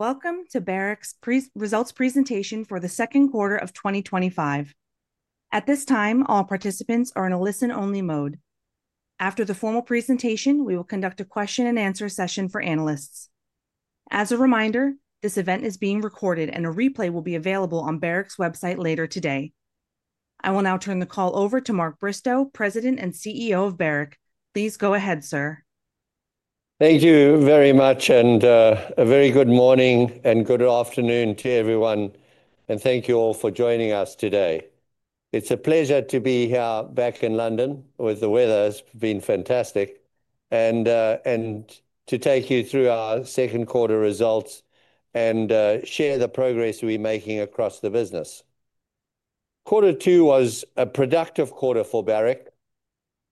Welcome to Barrick's results presentation for the second quarter of 2025. At this time, all participants are in a listen-only mode. After the formal presentation, we will conduct a question-and-answer session for analysts. As a reminder, this event is being recorded, and a replay will be available on Barrick's website later today. I will now turn the call over to Mark Bristow, President and CEO of Barrick. Please go ahead, sir. Thank you very much, and a very good morning and good afternoon to everyone, and thank you all for joining us today. It's a pleasure to be here back in London, where the weather has been fantastic, and to take you through our second quarter results and share the progress we're making across the business. Quarter two was a productive quarter for Barrick,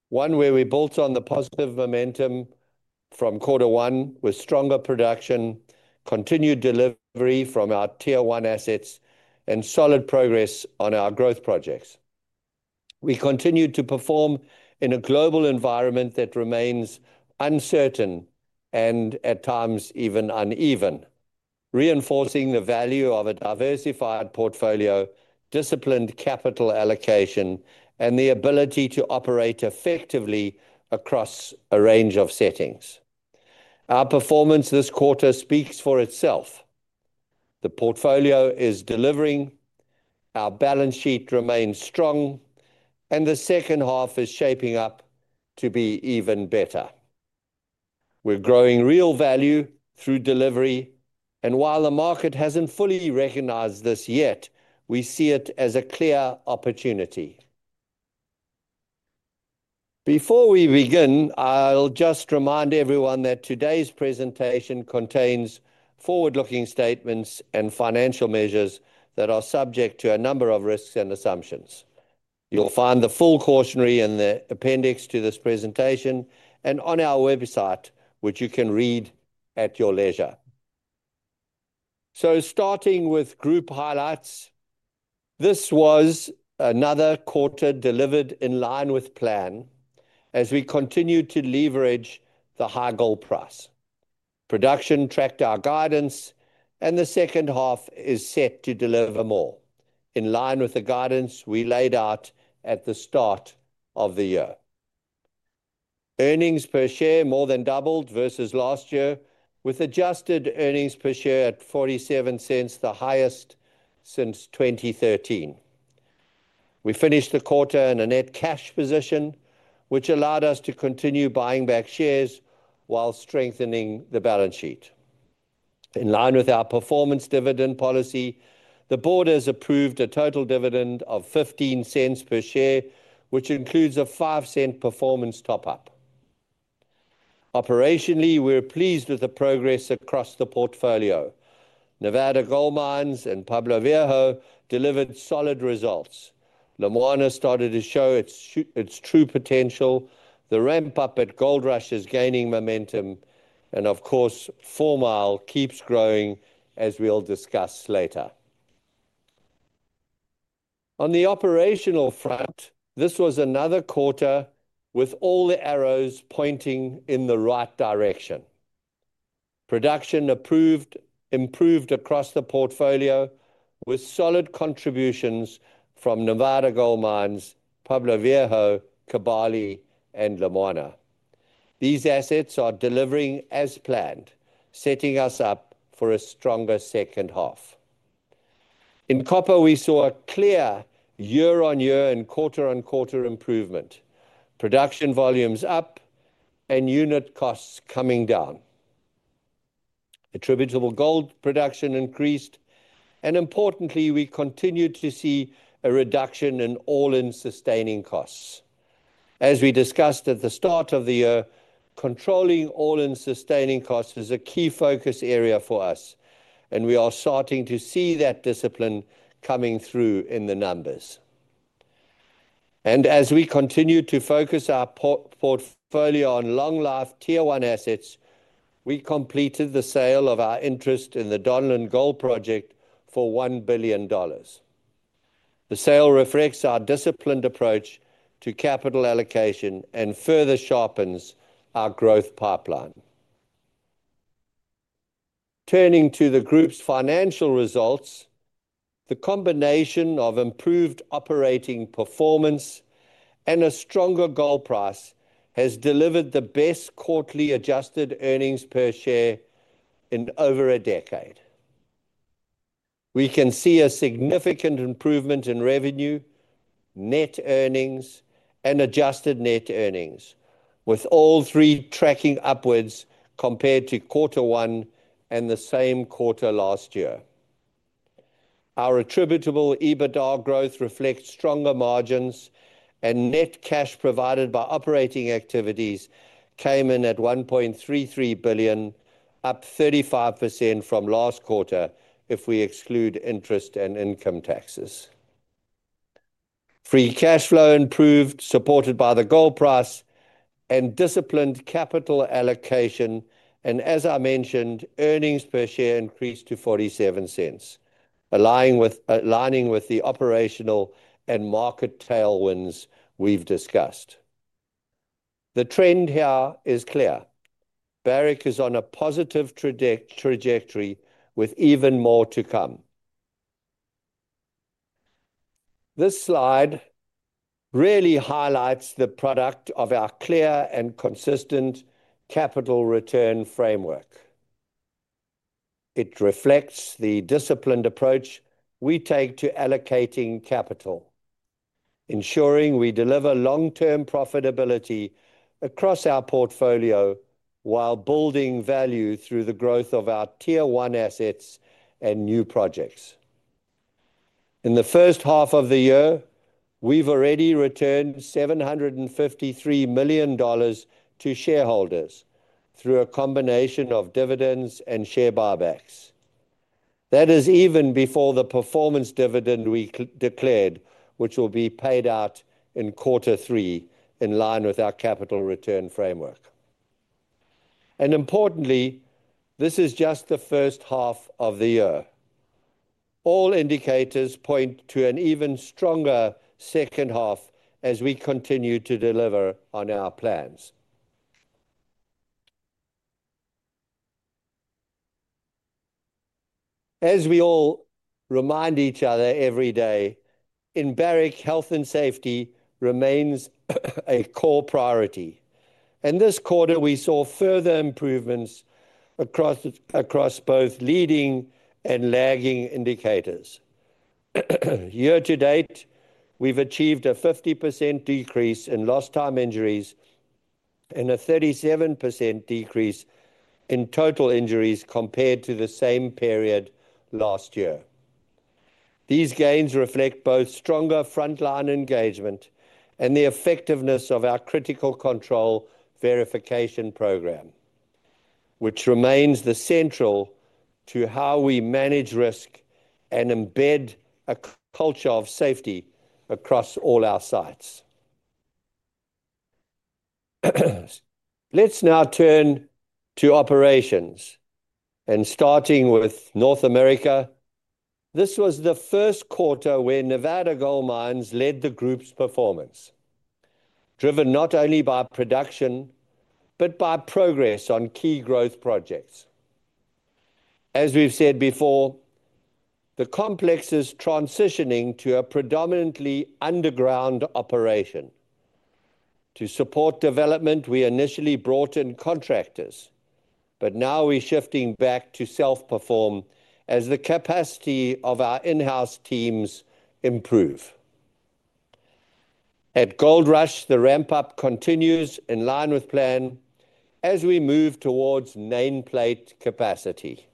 one where we built on the positive momentum from quarter one with stronger production, Tier one assets, and solid progress on our growth projects. We continued to perform in a global environment that remains uncertain and at times even uneven, reinforcing the value of a diversified portfolio, disciplined capital allocation, and the ability to operate effectively across a range of settings. Our performance this quarter speaks for itself. The portfolio is delivering, our balance sheet remains strong, and the second half is shaping up to be even better. We're growing real value through delivery, and while the market hasn't fully recognized this yet, we see it as a clear opportunity. Before we begin, I'll just remind everyone that today's presentation contains forward-looking statements and financial measures that are subject to a number of risks and assumptions. You'll find the full cautionary in the appendix to this presentation and on our website, which you can read at your leisure. Starting with group highlights, this was another quarter delivered in line with plan as we continued to leverage the high gold price. Production tracked our guidance, and the second half is set to deliver more, in line with the guidance we laid out at the start of the year. Earnings per share more than doubled versus last year, with adjusted earnings per share at $0.47, the highest since 2013. We finished the quarter in a net cash position, which allowed us to continue buying back shares while strengthening the balance sheet. In line with our performance dividend policy, the board has approved a total dividend of $0.15 per share, which includes a $0.05 performance top-up. Operationally, we're pleased with the progress across the portfolio. Nevada Gold Mines and Pueblo Viejo delivered solid results. Lumwana started to show its true potential, the ramp-up at Goldrush is gaining momentum, and of course, Fourmile keeps growing as we'll discuss later. On the operational front, this was another quarter with all the arrows pointing in the right direction. Production improved across the portfolio with solid contributions from Nevada Gold Mines, Pueblo Viejo, Kibali, and Lumwana. These assets are delivering as planned, setting us up for a stronger second half. In copper, we saw a clear year-on-year and quarter-on-quarter improvement. Production volumes up and unit costs coming down. Attributable gold production increased, and importantly, we All-in sustaining costs is a key focus area for us, and we are starting to see that discipline coming through in the numbers. As we continue to focus Tier one assets, we completed the sale of our interest in the Donlin Gold project for $1 billion. The sale reflects our disciplined approach to capital allocation and further sharpens our growth pipeline. Turning to the group's financial results, the combination of improved operating performance and a stronger gold price has delivered the best quarterly adjusted earnings per share in over a decade. We can see a significant improvement in revenue, net earnings, and adjusted net earnings, with all three tracking upwards compared to quarter one and the same quarter last year. Our attributable EBITDA growth reflects stronger margins, and net cash provided by operating activities came in at $1.33 billion, up 35% from last quarter if we exclude interest and income taxes. Free cash flow improved, supported by the gold price and disciplined capital allocation, and as I mentioned, earnings per share increased to $0.47, aligning with the operational and market tailwinds we've discussed. The trend here is clear. Barrick is on a positive trajectory with even more to come. This slide really highlights the product of our clear and consistent capital return framework. It reflects the disciplined approach we take to allocating capital, ensuring we deliver long-term profitability across our portfolio while building value through Tier one assets and new projects. in the first half of the year, we've already returned $753 million to shareholders through a combination of dividends and share buybacks. That is even before the performance dividend we declared, which will be paid out in quarter three, in line with our capital return framework. Importantly, this is just the first half of the year. All indicators point to an even stronger second half as we continue to deliver on our plans. As we all remind each other every day, in Barrick, health and safety remains a core priority, and this quarter we saw further improvements across both leading and lagging indicators. Year to date, we've achieved a 50% decrease in lost time injuries and a 37% decrease in total injuries compared to the same period last year. These gains reflect both stronger frontline engagement and the effectiveness of our critical control verification program, which remains central to how we manage risk and embed a culture of safety across all our sites. Let's now turn to operations, and starting with North America, this was the first quarter where Nevada Gold Mines led the group's performance, driven not only by production but by progress on key growth projects. As we've said before, the complex is transitioning to a predominantly underground operation. To support development, we initially brought in contractors, but now we're shifting back to self-perform as the capacity of our in-house teams improves. At Goldrush, the ramp-up continues in line with plan as we move towards main plate capacity.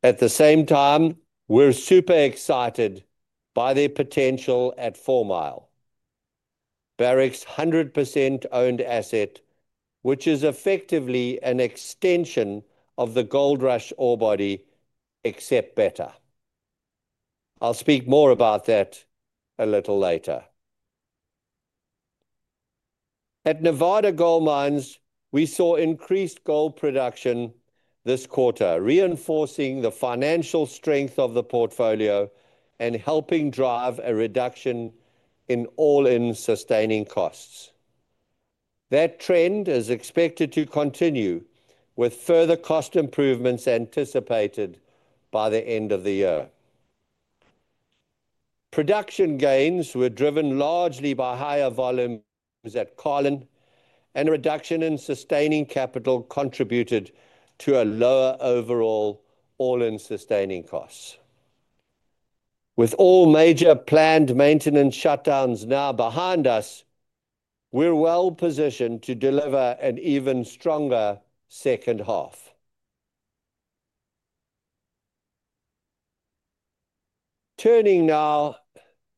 At the same time, we're super excited by the potential at Fourmile, Barrick's 100% owned asset, which is effectively an extension of the Goldrush ore body, except better. I'll speak more about that a little later. At Nevada Gold Mines, we saw increased gold production this quarter, reinforcing the financial strength of the portfolio All-in sustaining costs. that trend is expected to continue with further cost improvements anticipated by the end of the year. Production gains were driven largely by higher volumes at Carlin, and a reduction in sustaining capital contributed to a lower overall all-in sustaining cost. With all major planned maintenance shutdowns now behind us, we're well positioned to deliver an even stronger second half. Turning now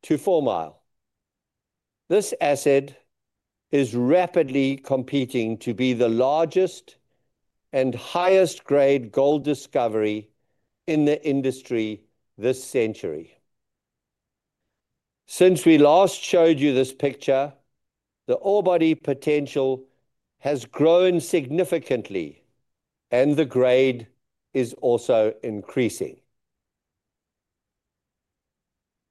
to Fourmile, this asset is rapidly competing to be the largest and highest-grade gold discovery in the industry this century. Since we last showed you this picture, the ore body potential has grown significantly, and the grade is also increasing.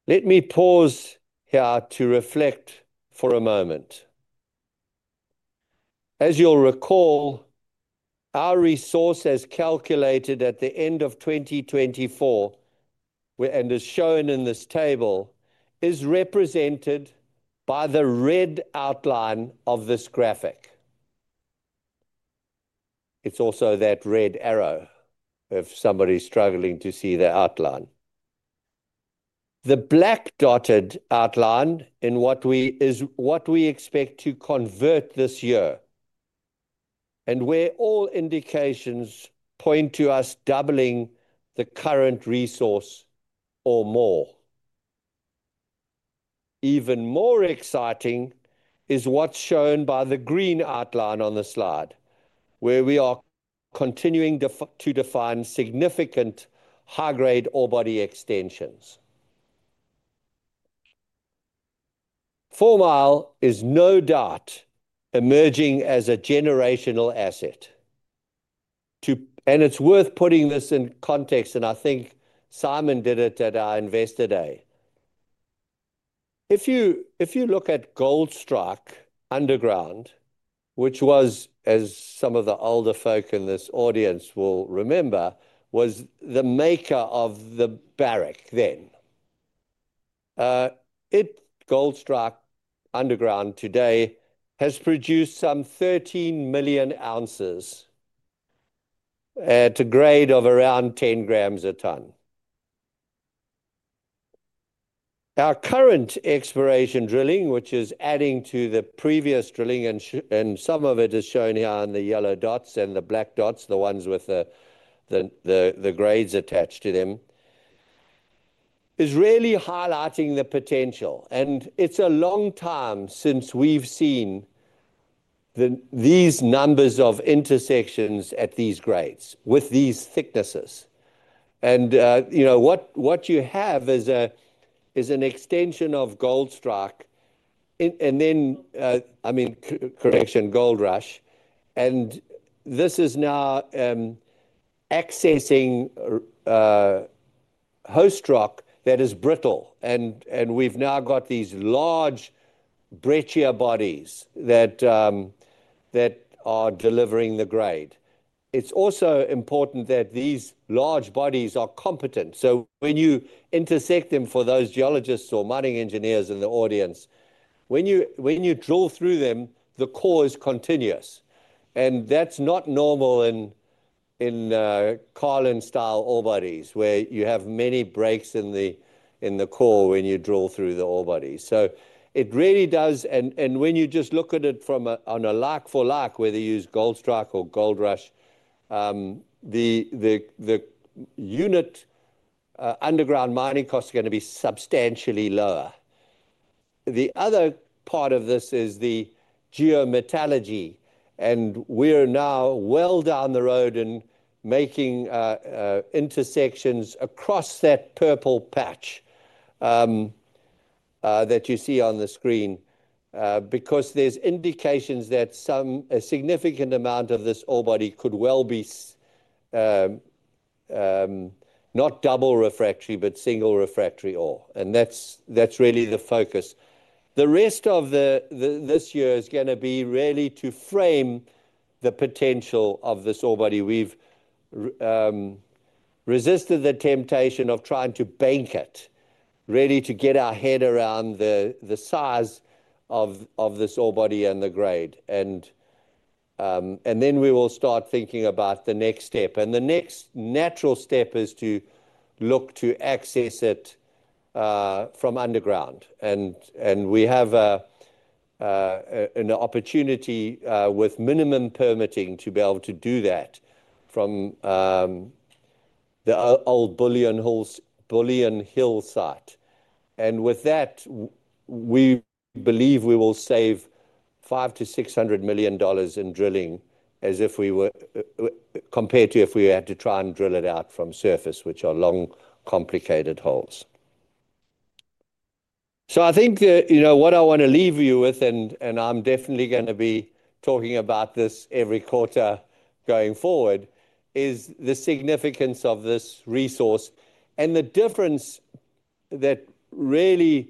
Let me pause here to reflect for a moment. As you'll recall, our resource as calculated at the end of 2024, and as shown in this table, is represented by the red outline of this graphic. It's also that red arrow if somebody's struggling to see the outline. The black-dotted outline is what we expect to convert this year, and where all indications point to us doubling the current resource or more. Even more exciting is what's shown by the green outline on the slide, where we are continuing to define significant high-grade ore body extensions. Fourmile is no doubt emerging as a generational asset. It's worth putting this in context, and I think Simon did it at our Investor Day. If you look at Goldstrike Underground, which was, as some of the older folk in this audience will remember, was the maker of Barrick then. Goldstrike Underground today has produced some 13 million ounces at a grade of around 10 grams a ton. Our current exploration drilling, which is adding to the previous drilling, and some of it is shown here in the yellow dots and the black dots, the ones with the grades attached to them, is really highlighting the potential. It's a long time since we've seen these numbers of intersections at these grades with these thicknesses. You know what you have is an extension of Goldstrike, and then, I mean, correction, Goldrush. This is now accessing host rock that is brittle, and we've now got these large breccia bodies that are delivering the grade. It's also important that these large bodies are competent. When you intersect them, for those geologists or mining engineers in the audience, when you drill through them, the core is continuous. That's not normal in Carlin-style ore bodies where you have many breaks in the core when you drill through the ore bodies. It really does, and when you just look at it from a like for like, whether you use Goldstrike or Goldrush, the unit underground mining costs are going to be substantially lower. The other part of this is the geometallurgy. We're now well down the road in making intersections across that purple patch that you see on the screen because there's indications that a significant amount of this ore body could well be not double refractory but single refractory ore. That's really the focus. The rest of this year is going to be really to frame the potential of this ore body. We've resisted the temptation of trying to bank it, really to get our head around the size of this ore body and the grade. We will start thinking about the next step. The next natural step is to look to access it from underground. We have an opportunity with minimum permitting to be able to do that from the old Bullion Hill site. With that, we believe we will save $500 million-$600 million in drilling compared to if we had to try and drill it out from surface, which are long, complicated holes. I think that what I want to leave you with, and I'm definitely going to be talking about this every quarter going forward, is the significance of this resource. The difference that really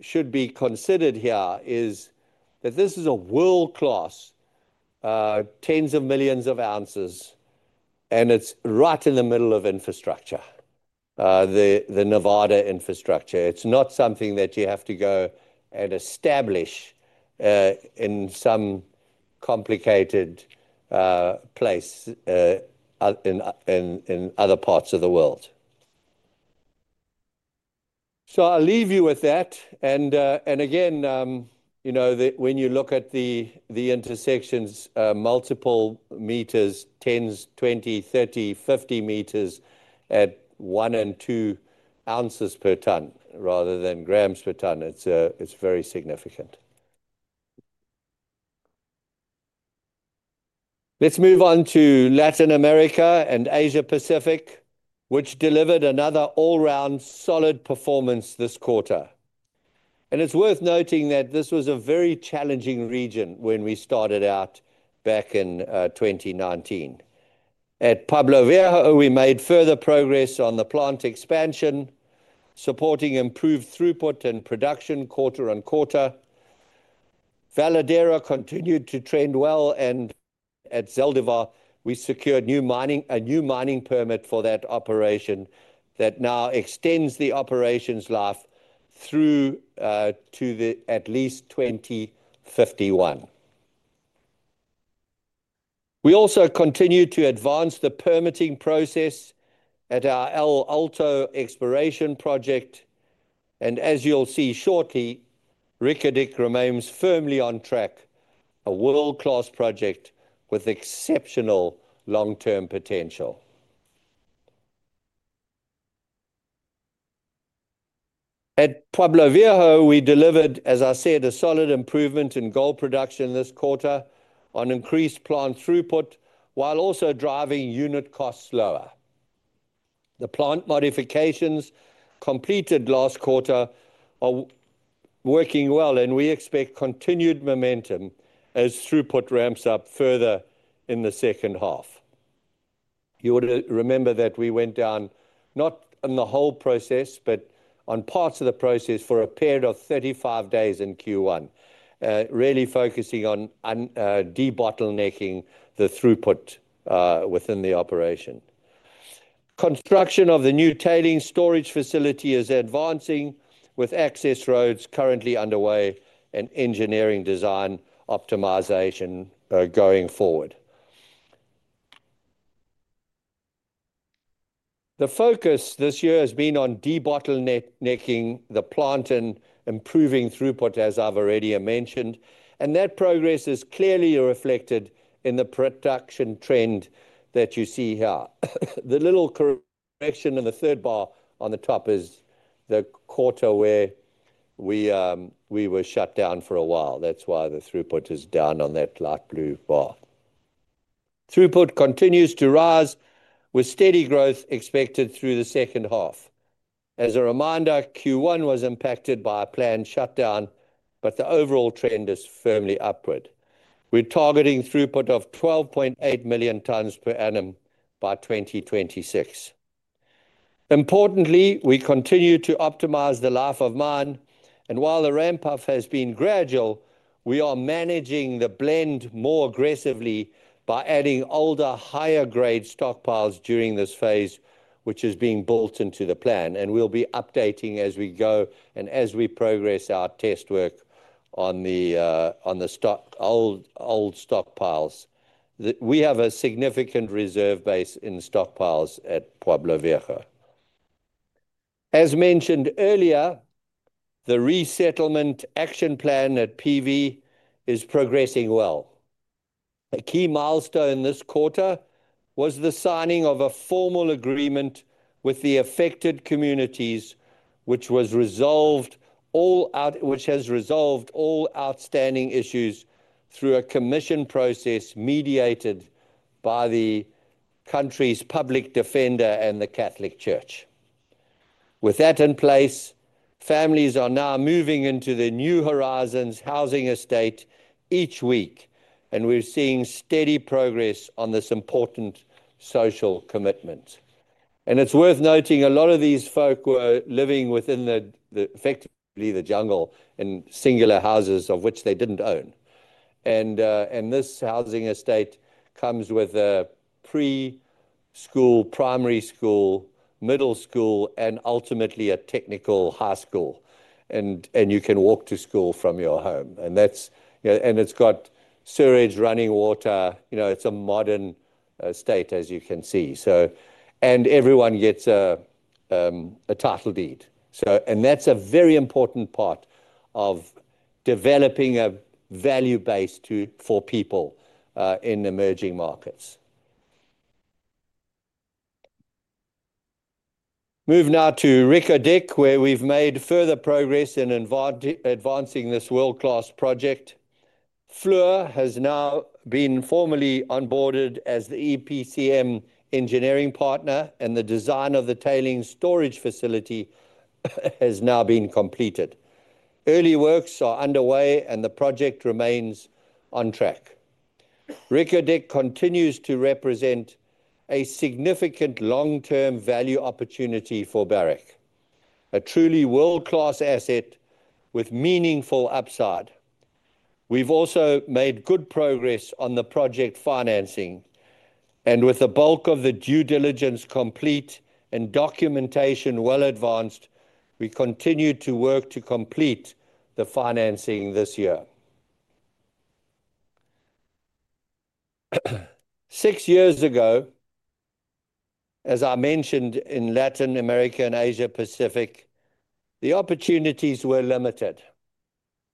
should be considered here is that this is a world-class, tens of millions of ounces, and it's right in the middle of infrastructure, the Nevada infrastructure. It's not something that you have to go and establish in some complicated place in other parts of the world. I'll leave you with that. When you look at the intersections, multiple meters, 10 m, 20 m, 30 m, 50 m at one and two ounces per ton rather than grams per ton, it's very significant. Let's move on to Latin America and Asia-Pacific, which delivered another all-round solid performance this quarter. It's worth noting that this was a very challenging region when we started out back in 2019. At Pueblo Viejo, we made further progress on the plant expansion, supporting improved throughput and production quarter on quarter. Veladero continued to trend well, and at Zaldívar, we secured a new mining permit for that operation that now extends the operation's life through to at least 2051. We also continue to advance the permitting process at our El Alto exploration project. As you'll see shortly, Reko Diq remains firmly on track, a world-class project with exceptional long-term potential. At Pueblo Viejo, we delivered, as I said, a solid improvement in gold production this quarter on increased plant throughput while also driving unit costs lower. The plant modifications completed last quarter are working well, and we expect continued momentum as throughput ramps up further in the second half. You would remember that we went down not in the whole process but on parts of the process for a period of 35 days in Q1, really focusing on debottlenecking the throughput within the operation. Construction of the new tailings facility is advancing with access roads currently underway and engineering design optimization going forward. The focus this year has been on debottlenecking the plant and improving throughput, as I've already mentioned. That progress is clearly reflected in the production trend that you see here. The little correction in the third bar on the top is the quarter where we were shut down for a while. That's why the throughput is down on that light blue bar. Throughput continues to rise with steady growth expected through the second half. As a reminder, Q1 was impacted by a planned shutdown, but the overall trend is firmly upward. We're targeting throughput of 12.8 million tons per annum by 2026. Importantly, we continue to optimize the life of mine. While the ramp-up has been gradual, we are managing the blend more aggressively by adding older, higher-grade stockpiles during this phase, which is being built into the plan. We'll be updating as we go and as we progress our test work on the old stockpiles. We have a significant reserve base in stockpiles at Pueblo Viejo. As mentioned earlier, the resettlement action plan at PV is progressing well. A key milestone this quarter was the signing of a formal agreement with the affected communities, which has resolved all outstanding issues through a commission process mediated by the country's public defender and the Catholic Church. With that in place, families are now moving into the New Horizons housing estate each week, and we're seeing steady progress on this important social commitment. It is worth noting a lot of these folk were living within the jungle in singular houses of which they didn't own. This housing estate comes with a pre-school, primary school, middle school, and ultimately a technical high school. You can walk to school from your home. It has sewerage, running water. It's a modern estate, as you can see. Everyone gets a title deed. That is a very important part of developing a value base for people in emerging markets. Moving now to Reko Diq, we have made further progress in advancing this world-class project. Fluor has now been formally onboarded as the EPCM engineering partner, and the design of the tailings storage facility has now been completed. Early works are underway, and the project remains on track. Reko Diq continues to represent a significant long-term value opportunity for Barrick, a truly world-class asset with meaningful upside. We have also made good progress on the project financing, and with the bulk of the due diligence complete and documentation well advanced, we continue to work to complete the financing this year. Six years ago, as I mentioned, in Latin America and Asia-Pacific, the opportunities were limited.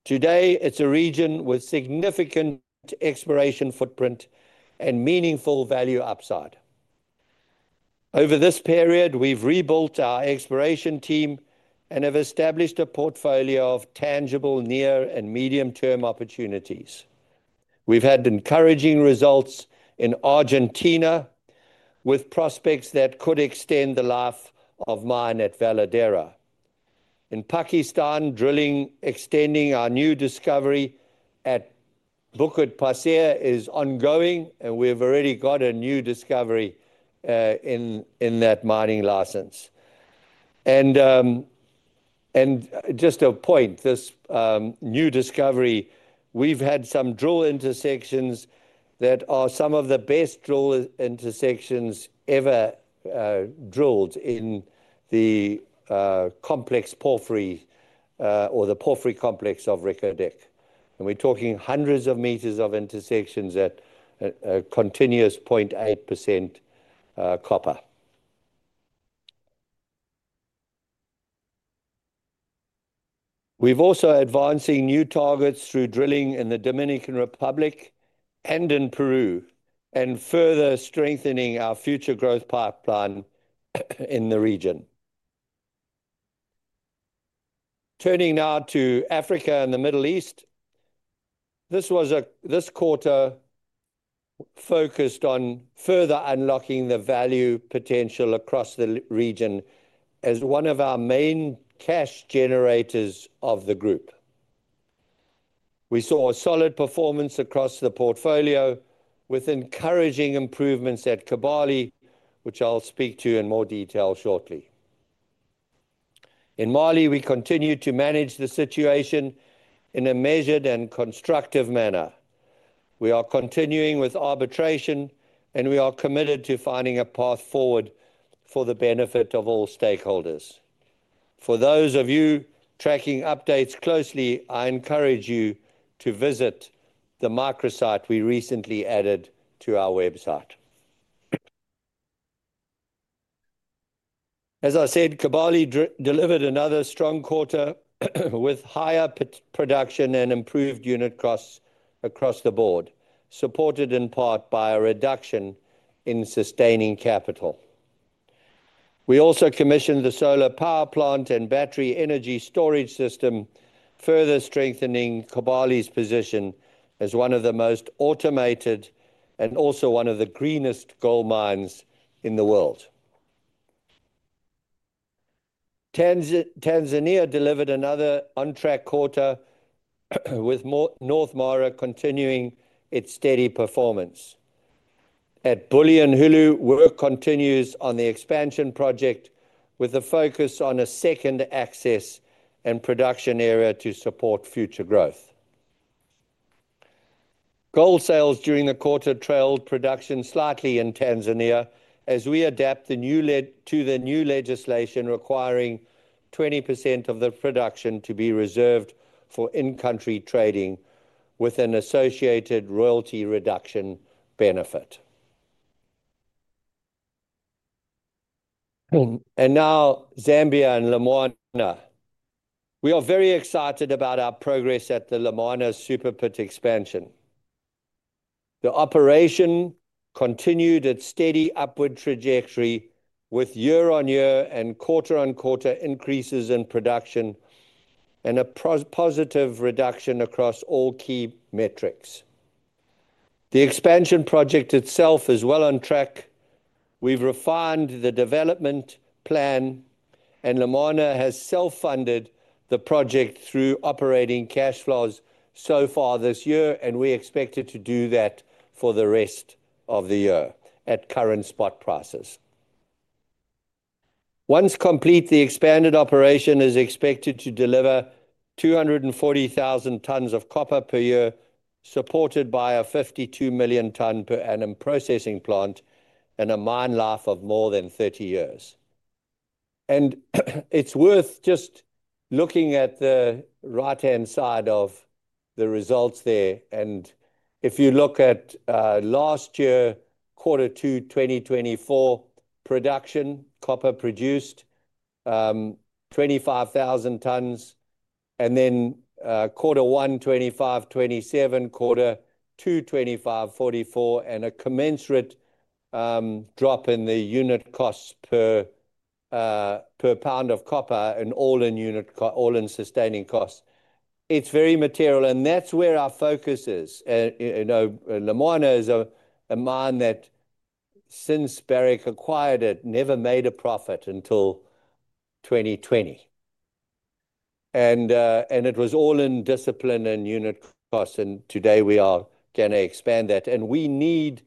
Today, it's a region with significant exploration footprint and meaningful value upside. Over this period, we've rebuilt our exploration team and have established a portfolio of tangible near and medium-term opportunities. We've had encouraging results in Argentina with prospects that could extend the life of mine at Veladero. In Pakistan, drilling extending our new discovery at Bukit Pasir is ongoing, and we've already got a new discovery in that mining license. Just a point, this new discovery, we've had some drill intersections that are some of the best drill intersections ever drilled in the complex porphyry or the porphyry complex of Reko Diq. We're talking hundreds of meters of intersections at a continuous 0.8% copper. We're also advancing new targets through drilling in the Dominican Republic and in Peru, and further strengthening our future growth pipeline in the region. Turning now to Africa and the Middle East, this quarter focused on further unlocking the value potential across the region as one of our main cash generators of the group. We saw a solid performance across the portfolio with encouraging improvements at Kibali, which I'll speak to in more detail shortly. In Mali, we continue to manage the situation in a measured and constructive manner. We are continuing with arbitration, and we are committed to finding a path forward for the benefit of all stakeholders. For those of you tracking updates closely, I encourage you to visit the microsite we recently added to our website. As I said, Kibali delivered another strong quarter with higher production and improved unit costs across the board, supported in part by a reduction in sustaining capital. We also commissioned the solar power plant and battery energy storage system, further strengthening Kibali's position as one of the most automated and also one of the greenest gold mines in the world. Tanzania delivered another on-track quarter with North Mara continuing its steady performance. At Bulyanhulu, work continues on the expansion project with a focus on a second access and production area to support future growth. Gold sales during the quarter trailed production slightly in Tanzania as we adapt to the new legislation requiring 20% of the production to be reserved for in-country trading with an associated royalty reduction benefit. Zambia and Lumwana: we are very excited about our progress at the Lumwana Super Pit expansion. The operation continued its steady upward trajectory with year-on-year and quarter-on-quarter increases in production and a positive reduction across all key metrics. The expansion project itself is well on track. We've refined the development plan, and Lumwana has self-funded the project through operating cash flows so far this year, and we expect it to do that for the rest of the year at current spot prices. Once complete, the expanded operation is expected to deliver 240,000 tons of copper per year, supported by a 52 million-ton per annum processing plant and a mine life of more than 30 years. It is worth just looking at the right-hand side of the results there. If you look at last year, quarter two, 2024, production copper produced 25,000 tons, and then quarter one, 25,027; quarter two, 25,044; and a commensurate drop in the unit All-in sustaining costs. it is very material, and that's where our focus is. Lumwana is a mine that, since Barrick acquired it, never made a profit until 2020. It was all in discipline and unit costs, and today we are going to expand that. We need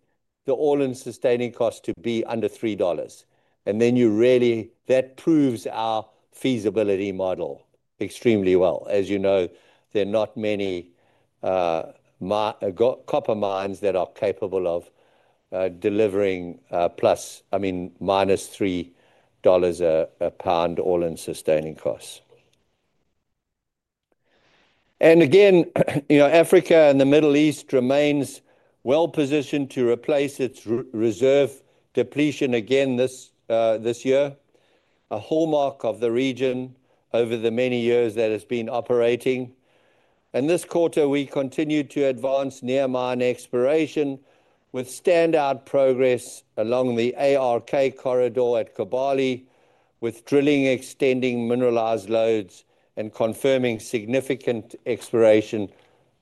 the all-in sustaining cost to be under $3. That really proves our feasibility model extremely well. As you know, there are not many copper mines that are capable of delivering -$3 a pound All-in sustaining costs. Africa and the Middle East remain well positioned to replace its reserve depletion again this year, a hallmark of the region over the many years that it's been operating. This quarter, we continue to advance near mine exploration with standout progress along the ARK corridor at Kibali, with drilling extending mineralized lodes and confirming significant exploration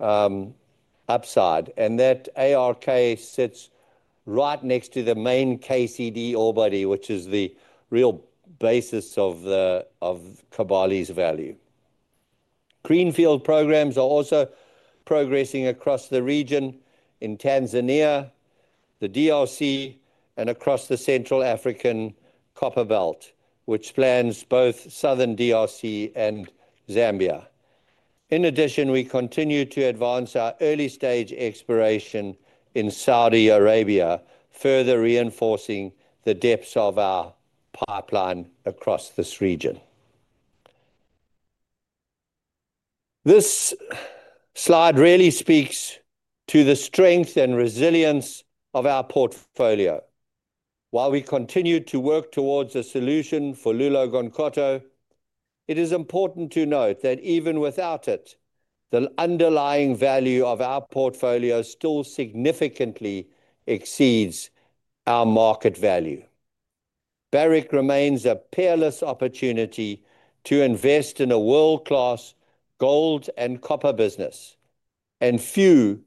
upside. The ARK sits right next to the main KCD ore body, which is the real basis of Kibali's value. Greenfield programs are also progressing across the region in Tanzania, the DRC, and across the Central African Copper Belt, which spans both southern DRC and Zambia. In addition, we continue to advance our early-stage exploration in Saudi Arabia, further reinforcing the depth of our pipeline across this region. This slide really speaks to the strength and resilience of our portfolio. While we continue to work towards a solution for Loulo-Gounkoto, it is important to note that even without it, the underlying value of our portfolio still significantly exceeds our market value. Barrick remains a peerless opportunity to invest in a world-class gold and copper business, and few,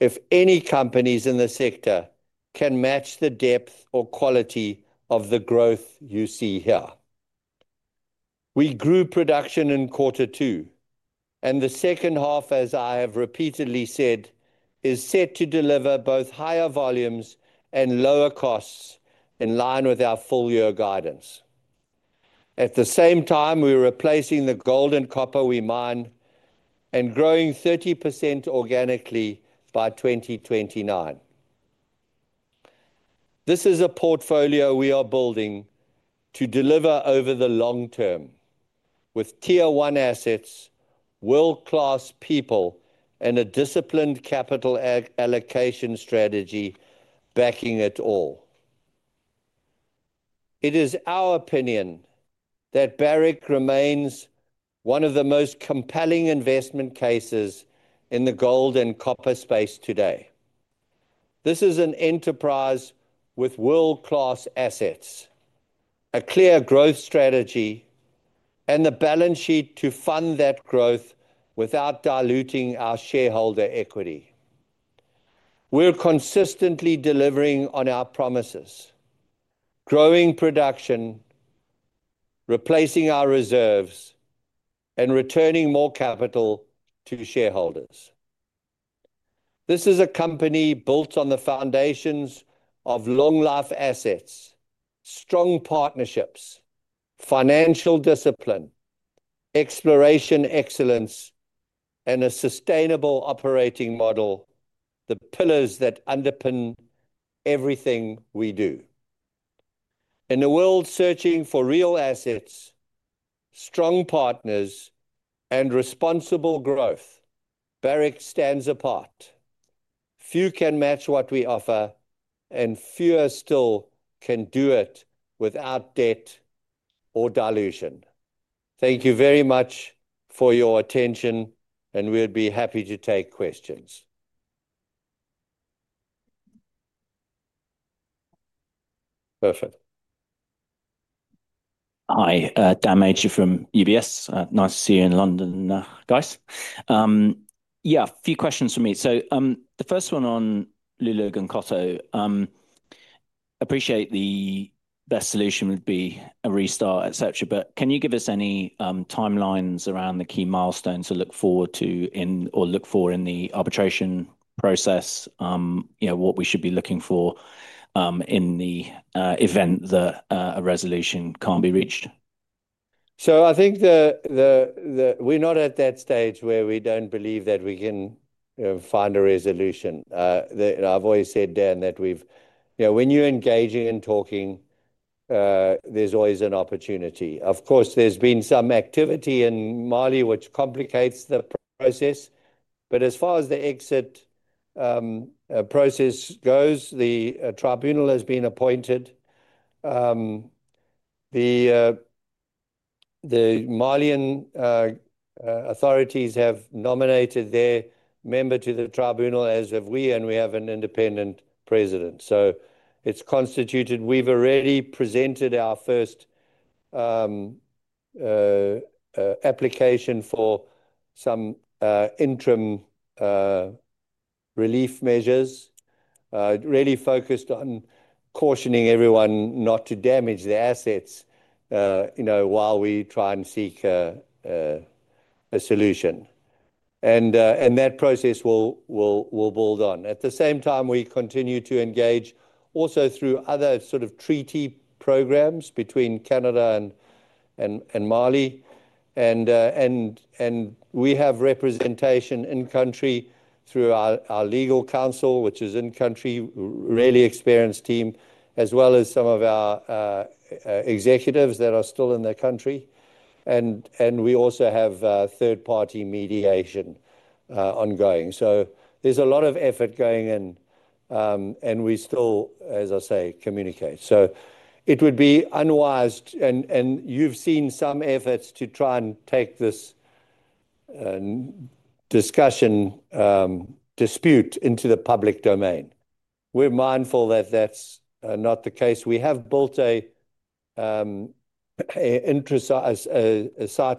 if any, companies in the sector can match the depth or quality of the growth you see here. We grew production in quarter two, and the second half, as I have repeatedly said, is set to deliver both higher volumes and lower costs in line with our full-year guidance. At the same time, we're replacing the gold and copper we mine and growing 30% organically by 2029. This is a portfolio we are building to deliver over Tier one assets, world-class people, and a disciplined capital allocation strategy backing it all. It is our opinion that Barrick remains one of the most compelling investment cases in the gold and copper space today. This is an enterprise with world-class assets, a clear growth strategy, and the balance sheet to fund that growth without diluting our shareholder equity. We're consistently delivering on our promises, growing production, replacing our reserves, and returning more capital to shareholders. This is a company built on the foundations of long-life assets, strong partnerships, financial discipline, exploration excellence, and a sustainable operating model, the pillars that underpin everything we do. In a world searching for real assets, strong partners, and responsible growth, Barrick stands apart. Few can match what we offer, and fewer still can do it without debt or dilution. Thank you very much for your attention, and we'd be happy to take questions. Perfect. Hi, Daniel Major from UBS. Nice to see you in London, guys. A few questions from me. The first one on Loulo-Gounkoto. I appreciate the best solution would be a restart, et cetera, but can you give us any timelines around the key milestones to look forward to or look for in the arbitration process? What should we be looking for in the event that a resolution can't be reached? I think that we're not at that stage where we don't believe that we can find a resolution. I've always said, Dan, that when you're engaging and talking, there's always an opportunity. Of course, there's been some activity in Mali, which complicates the process, but as far as the exit process goes, the tribunal has been appointed. The Malian authorities have nominated their member to the tribunal, as have we, and we have an independent president. It's constituted. We've already presented our first application for some interim relief measures, really focused on cautioning everyone not to damage the assets while we try and seek a solution. That process will build on. At the same time, we continue to engage also through other sort of treaty programs between Canada and Mali. We have representation in-country through our legal counsel, which is an in-country, really experienced team, as well as some of our executives that are still in the country. We also have third-party mediation ongoing. There's a lot of effort going in, and we still, as I say, communicate. It would be unwise, and you've seen some efforts to try and take this discussion dispute into the public domain. We're mindful that that's not the case. We have built a site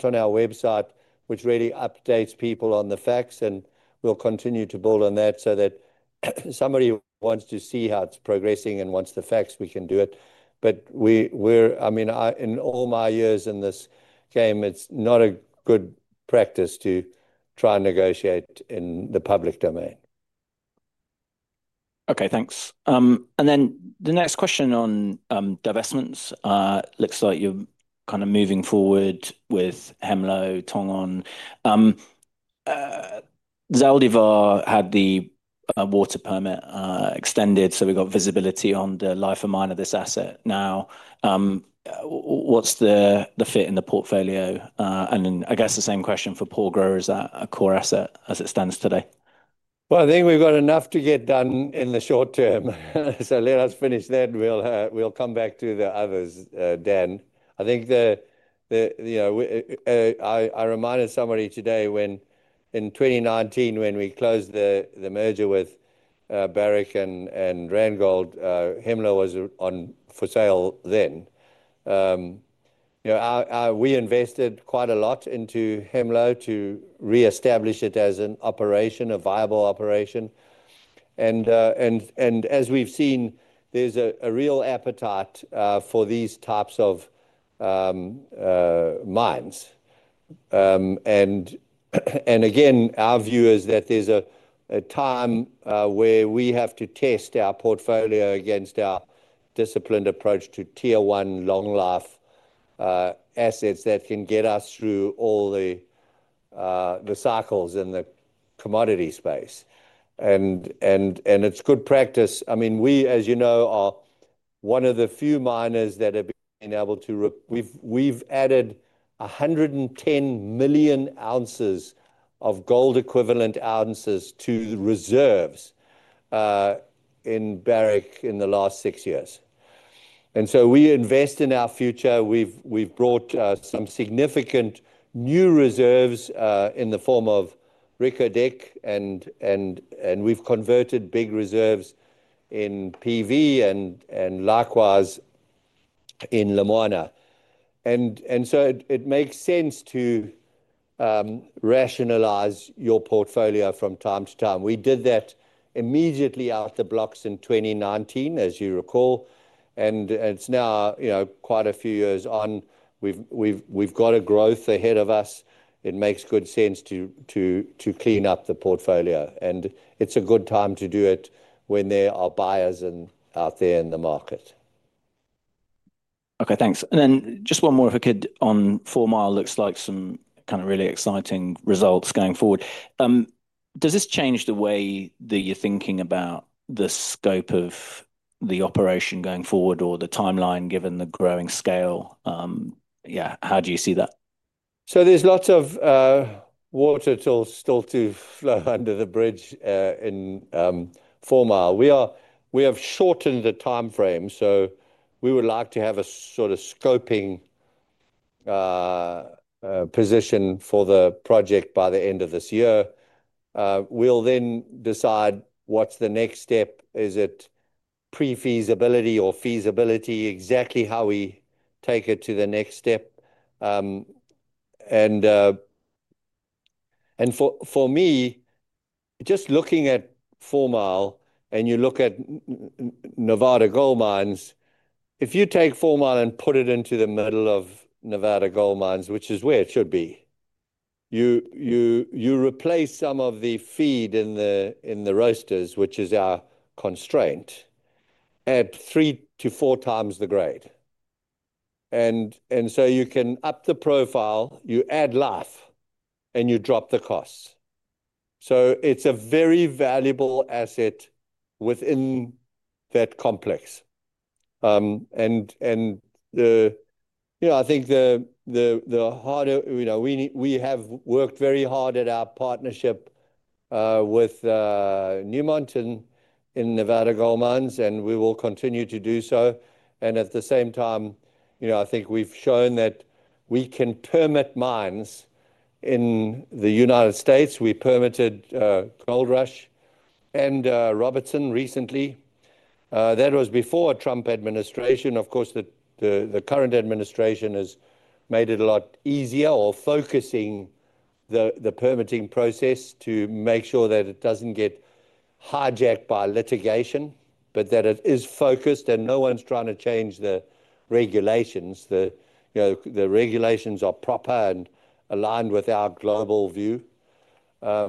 on our website which really updates people on the facts, and we'll continue to build on that so that if somebody wants to see how it's progressing and wants the facts, we can do it. In all my years in this game, it's not a good practice to try and negotiate in the public domain. Okay, thanks. The next question on divestments looks like you're kind of moving forward with Hemlo, Tongon. Zaldívar had the water permit extended, so we got visibility on the life of mine of this asset now. What's the fit in the portfolio? I guess the same question for Pueblo Viejo, is that a core asset as it stands today? I think we've got enough to get done in the short term, so let us finish that. We'll come back to the others, Dan. I reminded somebody today that in 2019, when we closed the merger with Barrick and Randgold, Hemlo was up for sale then. We invested quite a lot into Hemlo to reestablish it as a viable operation. As we've seen, there's a real appetite for these types of mines. Our view is that there's a time where we have to test our portfolio against our disciplined approach to tier one long-life assets that can get us through all the cycles in the commodity space. It's good practice. We, as you know, are one of the few miners that have been able to add 110 million ounces of gold equivalent ounces to the reserves in Barrick in the last six years. We invest in our future. We've brought some significant new reserves in the form of Reko Diq, and we've converted big reserves in Pueblo Viejo and Lumwana. It makes sense to rationalize your portfolio from time to time. We did that immediately out the blocks in 2019, as you recall. It's now quite a few years on. We've got growth ahead of us. It makes good sense to clean up the portfolio. It's a good time to do it when there are buyers out there in the market. Okay, thanks. Just one more, if I could, on Fourmile. It looks like some kind of really exciting results going forward. Does this change the way that you're thinking about the scope of the operation going forward or the timeline given the growing scale? Yeah, how do you see that? There is lots of water still to flow under the bridge in Fourmile. We have shortened the timeframe, so we would like to have a sort of scoping position for the project by the end of this year. We'll then decide what's the next step. Is it pre-feasibility or feasibility, exactly how we take it to the next step? For me, just looking at Fourmile and you look at Nevada Gold Mines, if you take Fourmile and put it into the middle of Nevada Gold Mines, which is where it should be, you replace some of the feed in the roasters, which is our constraint, at 3x-4x the grade. You can up the profile, you add life, and you drop the costs. It is a very valuable asset within that complex. I think the harder, you know, we have worked very hard at our partnership with Newmont and in Nevada Gold Mines, and we will continue to do so. At the same time, I think we've shown that we can permit mines in the United States. We permitted Goldrush and Robertson recently. That was before a Trump administration. Of course, the current administration has made it a lot easier or focusing the permitting process to make sure that it doesn't get hijacked by litigation, but that it is focused and no one's trying to change the regulations. The regulations are proper and aligned with our global view. I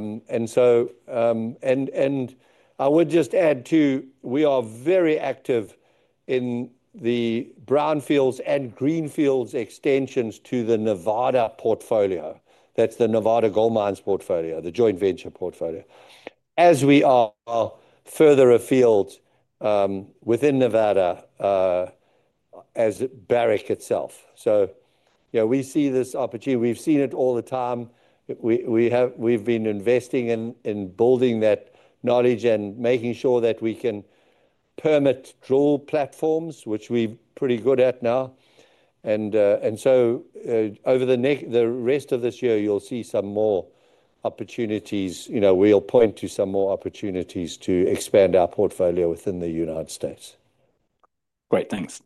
would just add too, we are very active in the brownfields and greenfields extensions to the Nevada portfolio. That's the Nevada Gold Mines portfolio, the joint venture portfolio, as we are further afield within Nevada as Barrick itself. We see this opportunity. We've seen it all the time. We've been investing in building that knowledge and making sure that we can permit drill platforms, which we're pretty good at now. Over the rest of this year, you'll see some more opportunities. We'll point to some more opportunities to expand our portfolio within the United States. Great, thanks.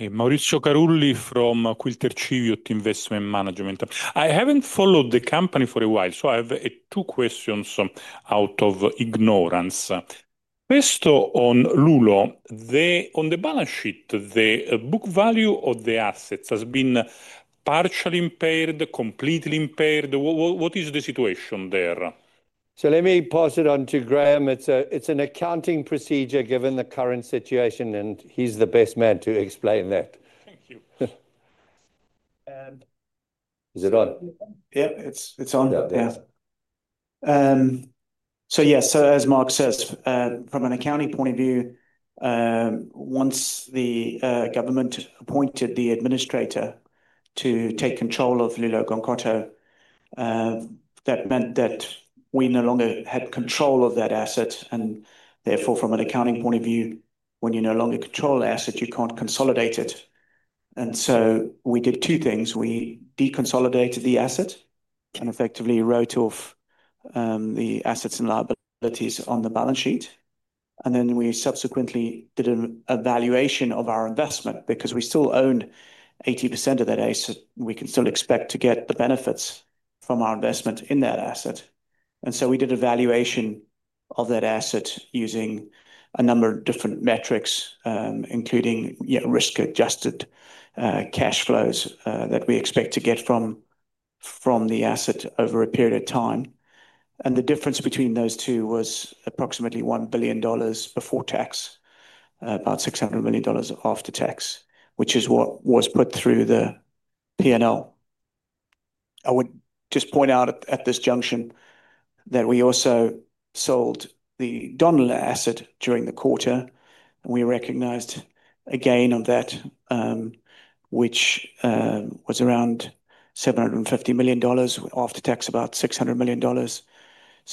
Maurizio Carulli from Quilter Chief Investment Management. I haven't followed the company for a while, so I have two questions out of ignorance. Question on Loulo, on the balance sheet, the book value of the assets has been partially impaired, completely impaired. What is the situation there? Let me pass it on to Graham. It's an accounting procedure given the current situation, and he's the best man to explain that. Is it on? Yeah. Yeah, as Mark says, from an accounting point of view, once the government appointed the administrator to take control of Loulo-Gounkoto, that meant that we no longer had control of that asset. Therefore, from an accounting point of view, when you no longer control the asset, you can't consolidate it. We did two things. We deconsolidated the asset and effectively wrote off the assets and liabilities on the balance sheet. We subsequently did an evaluation of our investment because we still owned 80% of that asset. We can still expect to get the benefits from our investment in that asset. We did a valuation of that asset using a number of different metrics, including risk-adjusted cash flows that we expect to get from the asset over a period of time. The difference between those two was approximately $1 billion before tax, about $600 million after tax, which is what was put through the P&L. I would just point out at this junction that we also sold the Donlin Gold asset during the quarter. We recognized a gain on that, which was around $750 million after tax, about $600 million.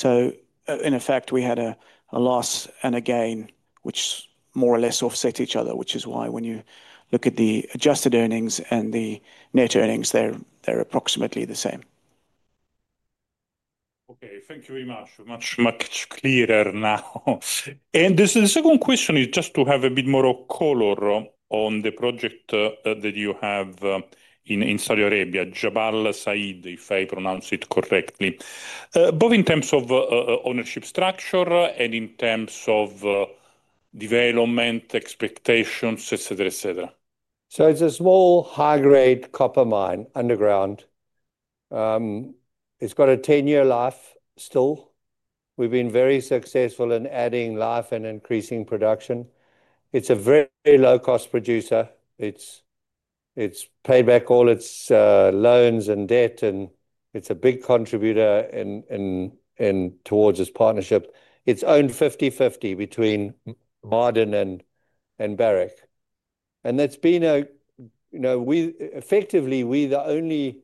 In effect, we had a loss and a gain, which more or less offset each other, which is why when you look at the adjusted earnings and the net earnings, they're approximately the same. Okay, thank you very much. Much clearer now. The second question is just to have a bit more color on the project that you have in Saudi Arabia, Jabal Sayid, if I pronounce it correctly, both in terms of ownership structure and in terms of development, expectations, et cetera, et cetera. It's a small, high-grade copper mine underground. It's got a 10-year life still. We've been very successful in adding life and increasing production. It's a very low-cost producer. It's paid back all its loans and debt, and it's a big contributor towards its partnership. It's owned 50/50 between Ma'aden and Barrick. We've effectively, we're the only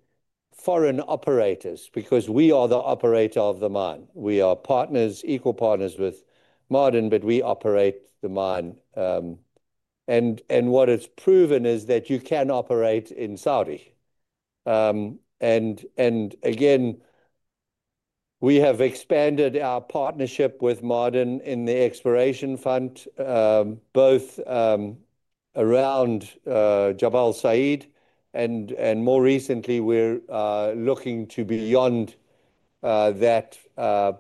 foreign operators because we are the operator of the mine. We are partners, equal partners with Ma'aden, but we operate the mine. What it's proven is that you can operate in Saudi. We have expanded our partnership with Ma'aden in the exploration fund, both around Jabal Sayid. More recently, we're looking beyond that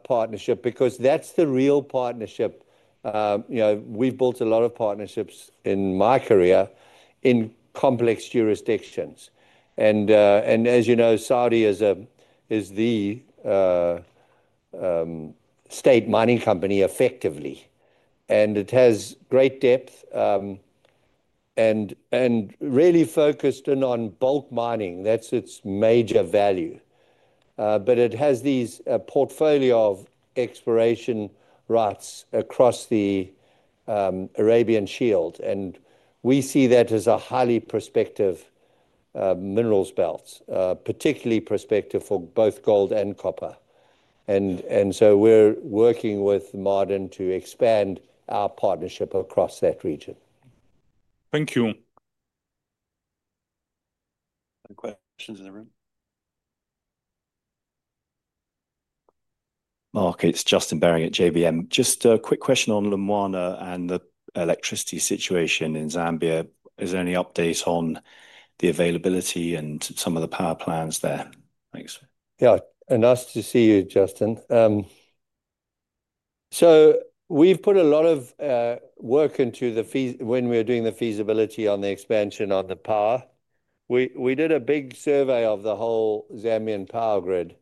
partnership because that's the real partnership. We've built a lot of partnerships in my career in complex jurisdictions. As you know, Ma'aden is the state mining company effectively. It has great depth and is really focused in on bulk mining. That's its major value. It has this portfolio of exploration rights across the Arabian Shield, and we see that as a highly prospective minerals belt, particularly prospective for both gold and copper. We're working with Ma'aden to expand our partnership across that region. Thank you. Any questions in the room? Mark its Justine Barry at JPMorgan. Just a quick question on Lumwana and the electricity situation in Zambia. Is there any update on the availability and some of the power plans there? Thanks. Yeah, and nice to see you, Justine. We've put a lot of work into the fee when we were doing the feasibility on the expansion on the power. We did a big survey of the whole Zambian power grid.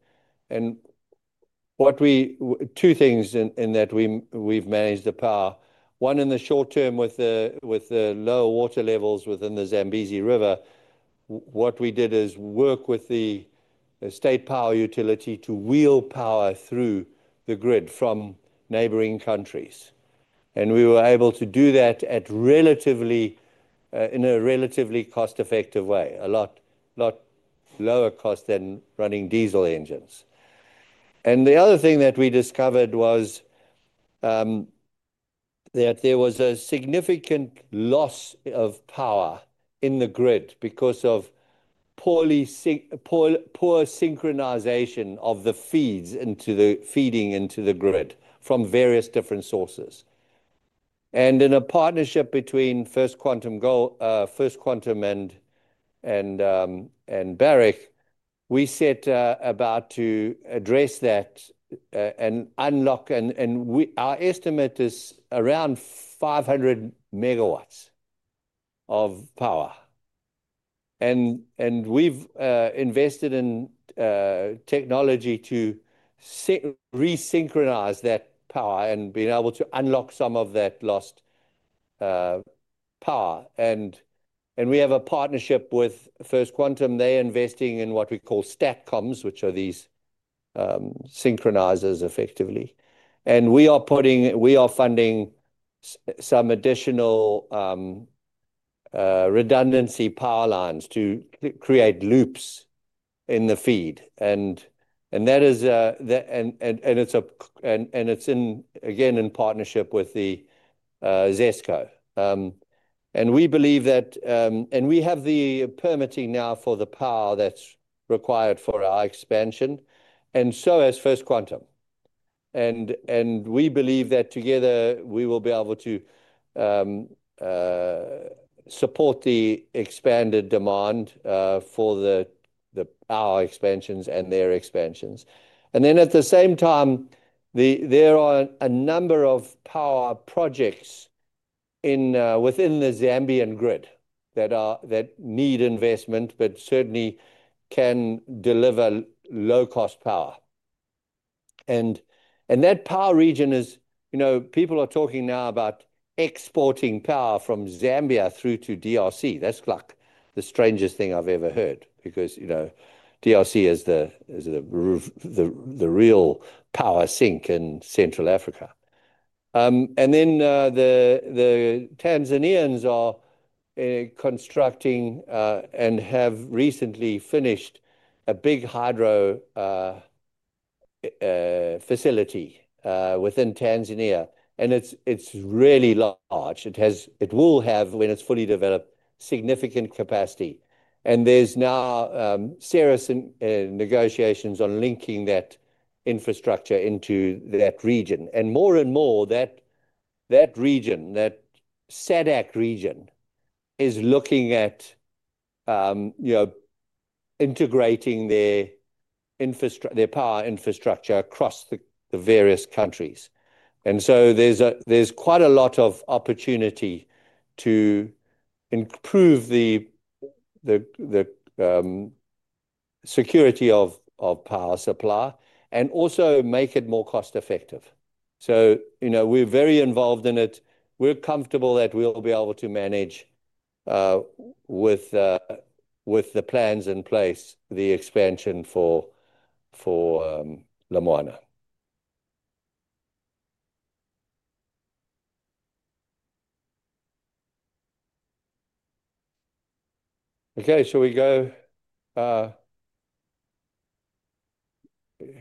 What we, two things in that, we've managed the power. One in the short term with the low water levels within the Zambezi River, what we did is work with the state power utility to wheel power through the grid from neighboring countries. We were able to do that in a relatively cost-effective way, a lot lower cost than running diesel engines. The other thing that we discovered was that there was a significant loss of power in the grid because of poor synchronization of the feeds into the grid from various different sources. In a partnership between First Quantum and Barrick, we set about to address that and unlock, and our estimate is around 500 MW of power. We've invested in technology to resynchronize that power and being able to unlock some of that lost power. We have a partnership with First Quantum. They're investing in what we call statcoms, which are these synchronizers effectively. We are funding some additional redundancy power lines to create loops in the feed. It's in, again, in partnership with ZESCO. We believe that, and we have the permitting now for the power that's required for our expansion, and so is First Quantum. We believe that together we will be able to support the expanded demand for the power expansions and their expansions. At the same time, there are a number of power projects within the Zambian grid that need investment but certainly can deliver low-cost power. That power region is, you know, people are talking now about exporting power from Zambia through to DRC. That's like the strangest thing I've ever heard because, you know, DRC is the real power sink in Central Africa. The Tanzanians are constructing and have recently finished a big hydro facility within Tanzania. It's really large. It will have, when it's fully developed, significant capacity. There's now serious negotiations on linking that infrastructure into that region. More and more, that region, that SADC region, is looking at integrating their power infrastructure across the various countries. There's quite a lot of opportunity to improve the security of power supply and also make it more cost-effective. We're very involved in it. We're comfortable that we'll be able to manage with the plans in place, the expansion for Lumwana. Okay, shall we go?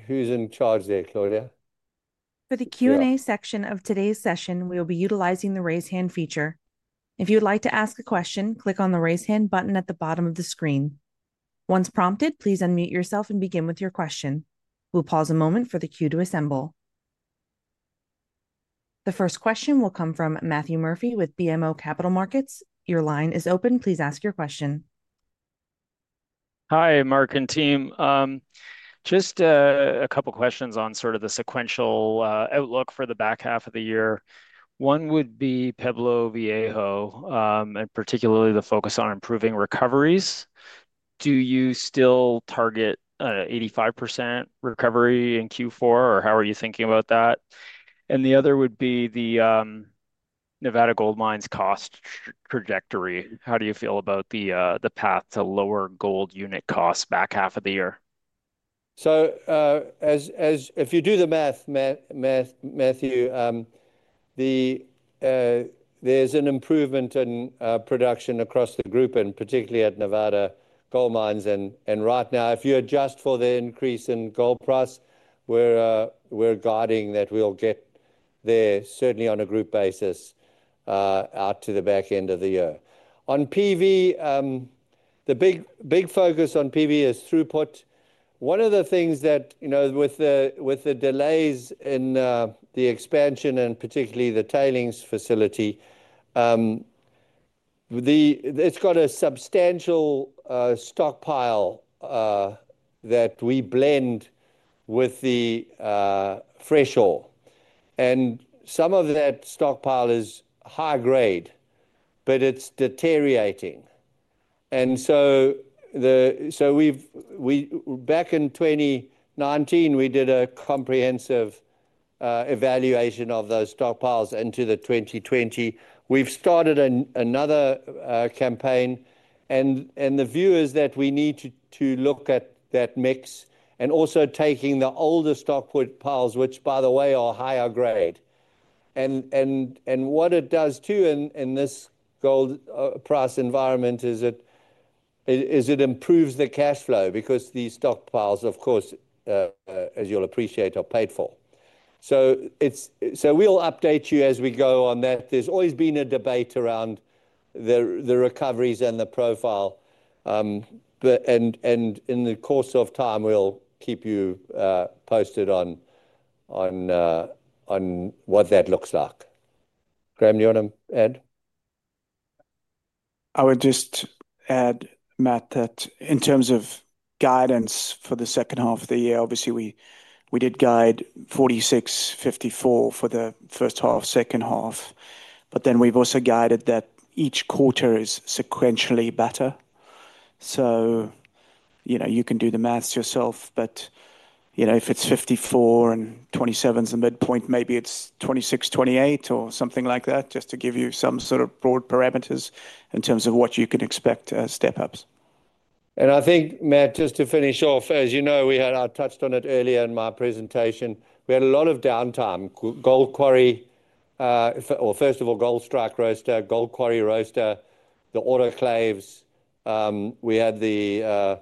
Who's in charge there, Claudia? For the Q&A section of today's session, we'll be utilizing the raise hand feature. If you'd like to ask a question, click on the raise hand button at the bottom of the screen. Once prompted, please unmute yourself and begin with your question. We'll pause a moment for the queue to assemble. The first question will come from Matthew Murphy with BMO Capital Markets. Your line is open. Please ask your question. Hi, Mark and team. Just a couple of questions on sort of the sequential outlook for the back half of the year. One would be Pueblo Viejo, and particularly the focus on improving recoveries. Do you still target 85% recovery in Q4, or how are you thinking about that? The other would be the Nevada Gold Mines cost trajectory. How do you feel about the path to lower gold unit costs back half of the year? If you do the math, Matthew, there's an improvement in production across the group, particularly at Nevada Gold Mines. Right now, if you adjust for the increase in gold price, we're guarding that we'll get there, certainly on a group basis, out to the back end of the year. On PV, the big focus is throughput. One of the things with the delays in the expansion, particularly the tailings facility, is it's got a substantial stockpile that we blend with the threshold. Some of that stockpile is high grade, but it's deteriorating. Back in 2019, we did a comprehensive evaluation of those stockpiles into 2020. We've started another campaign, and the view is that we need to look at that mix and also take the older stockpiles, which, by the way, are higher grade. What it does too in this gold price environment is it improves the cash flow because these stockpiles, as you'll appreciate, are paid for. We'll update you as we go on that. There's always been a debate around the recoveries and the profile. In the course of time, we'll keep you posted on what that looks like. Graham, you want to add? I would just add, Matt, that in terms of guidance for the second half of the year, obviously we did guide 46, 54 for the first half, second half. We've also guided that each quarter is sequentially better. You can do the maths yourself, but if it's 54 and 27 is the midpoint, maybe it's 26, 28 or something like that, just to give you some sort of broad parameters in terms of what you can expect as step-ups. I think, Matt, just to finish off, as you know, I touched on it earlier in my presentation, we had a lot of downtime. Gold Quarry, or first of all, Goldstrike roaster, Gold Quarry roaster, the autoclaves. We had the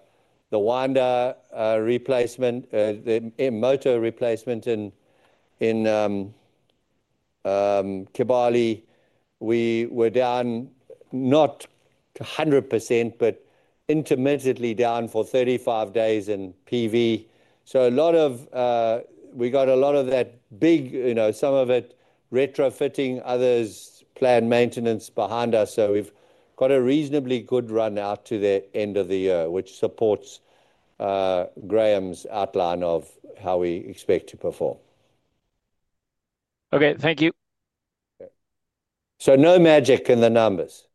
winder replacement, the motor replacement in Kibali. We were down not 100%, but intermittently down for 35 days in PV. A lot of that big, you know, some of it retrofitting, others planned maintenance, is behind us. We've got a reasonably good run out to the end of the year, which supports Graham's outline of how we expect to perform. Okay, thank you. is no magic in the numbers.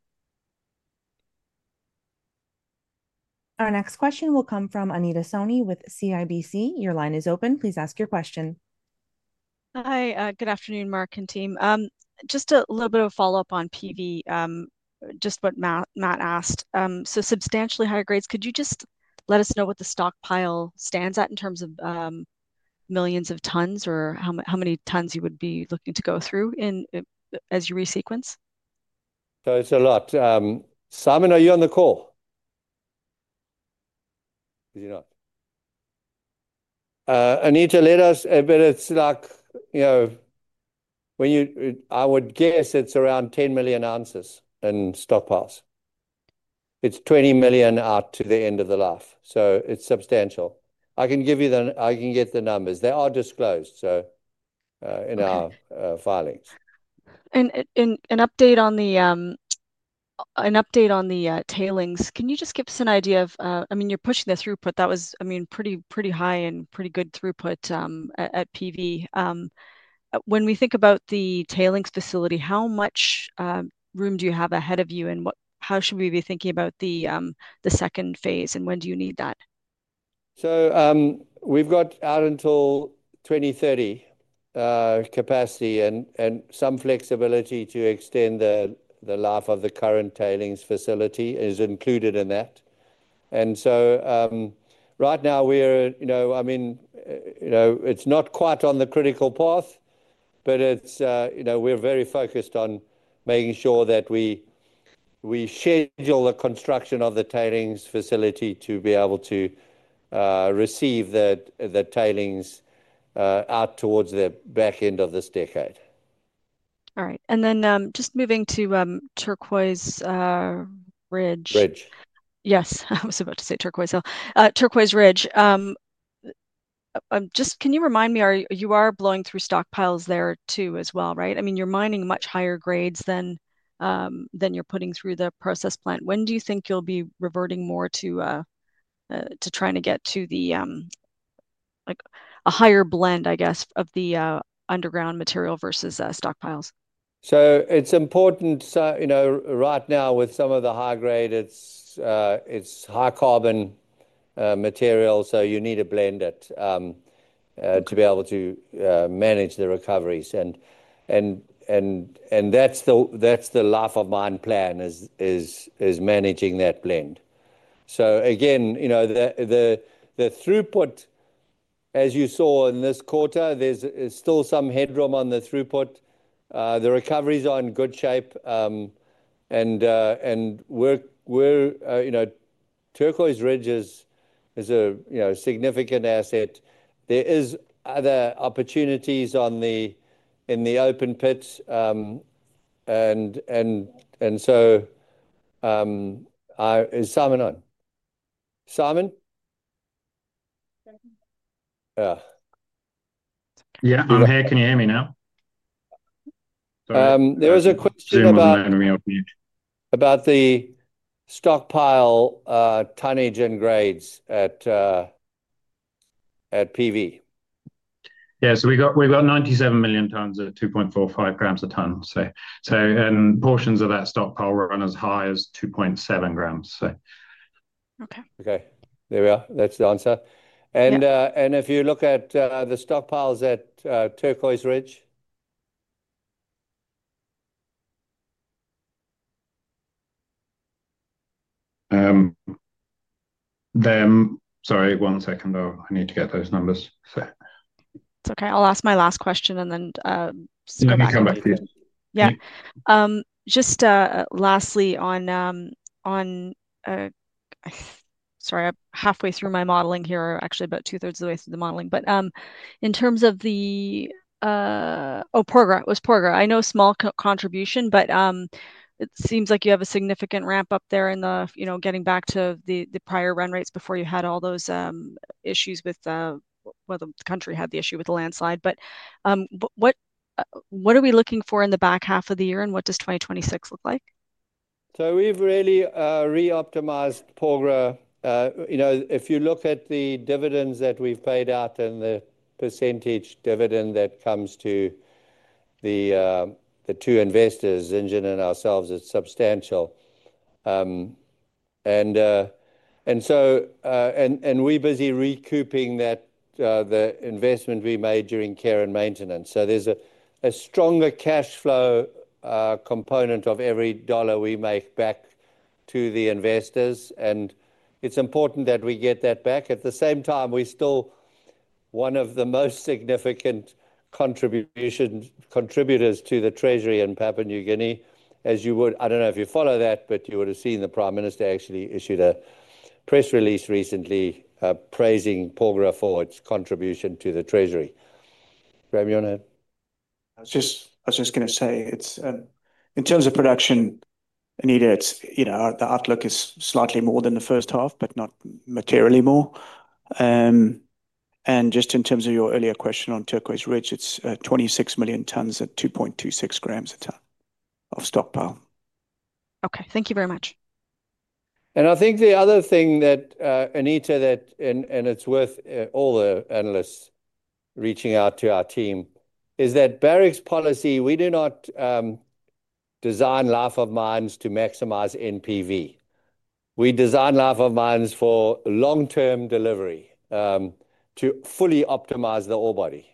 Our next question will come from Anita Soni with CIBC. Your line is open. Please ask your question. Hi, good afternoon, Mark and team. Just a little bit of follow-up on PV, just what Matt asked. Substantially higher grades, could you just let us know what the stockpile stands at in terms of millions of tons or how many tons you would be looking to go through as you resequence? It's a lot. Simon, are you on the call? Anita, let us, but it's like, you know, when you, I would guess it's around 10 million ounces in stockpiles. It's 20 million out to the end of the life. It's substantial. I can give you the, I can get the numbers. They are disclosed in our filings. Can you just give us an idea of, I mean, you're pushing the throughput. That was pretty high and pretty good throughput at PV. When we think about the tailings facility, how much room do you have ahead of you, and how should we be thinking about the second phase and when do you need that? We've got out until 2030 capacity, and some flexibility to extend the life of the current tailings facility is included in that. Right now, we're very focused on making sure that we schedule the construction of the tailings facility to be able to receive the tailings out towards the back end of this decade. All right. Moving to Turquoise Ridge. Ridge. Yes, I was about to say Turquoise Ridge. Just can you remind me, you are blowing through stockpiles there too as well, right? I mean, you're mining much higher grades than you're putting through the process plant. When do you think you'll be reverting more to trying to get to a higher blend, I guess, of the underground material versus stockpiles? It's important, you know, right now with some of the high grade, it's high carbon material, so you need to blend it to be able to manage the recoveries. That's the life of mine plan, managing that blend. You know, the throughput, as you saw in this quarter, there's still some headroom on the throughput. The recoveries are in good shape. We're, you know, Turquoise Ridge is a significant asset. There are other opportunities in the open pits. Is Simon on? Simon? Yeah. Yeah, I'm here. Can you hear me now? There was a question about the stockpile tonnage and grades at PV. Yeah, we've got 97 million tons at 2.45 grams a ton, and portions of that stockpile were run as high as 2.7 grams. Okay, okay, there we are. That's the answer. If you look at the stockpiles at Turquoise Ridge, sorry, one second, I need to get those numbers. That's okay. I'll ask my last question then. Let me come back to you. Yeah. Just lastly, sorry, I'm halfway through my modeling here, or actually about two-thirds of the way through the modeling. In terms of the, oh, Porgera it was Porgera, I know small contribution, but it seems like you have a significant ramp-up there in the, you know, getting back to the prior run rates before you had all those issues with, well, the country had the issue with the landslide. What are we looking for in the back half of the year and what does 2026 look like? We've really re-optimized Porgera. If you look at the dividends that we've paid out and the percentage dividend that comes to the two investors, Zijin and ourselves, it's substantial. We're busy recouping the investment we made during care and maintenance. There's a stronger cash flow component of every dollar we make back to the investors, and it's important that we get that back. At the same time, we're still one of the most significant contributors to the Treasury in Papua New Guinea. I don't know if you follow that, but you would have seen the Prime Minister actually issued a press release recently praising Porgera for its contribution to the Treasury. Graham, you want to add? I was just going to say, it's in terms of production, Anita, the outlook is slightly more than the first half, but not materially more. In terms of your earlier question on Turquoise Ridge, it's 26 million tons at 2.26 grams a ton of stockpile. Okay, thank you very much. I think the other thing that, Anita, and it's worth all the analysts reaching out to our team, is that Barrick's policy is we do not design life of mines to maximize NPV. We design life of mines for long-term delivery, to fully optimize the ore body.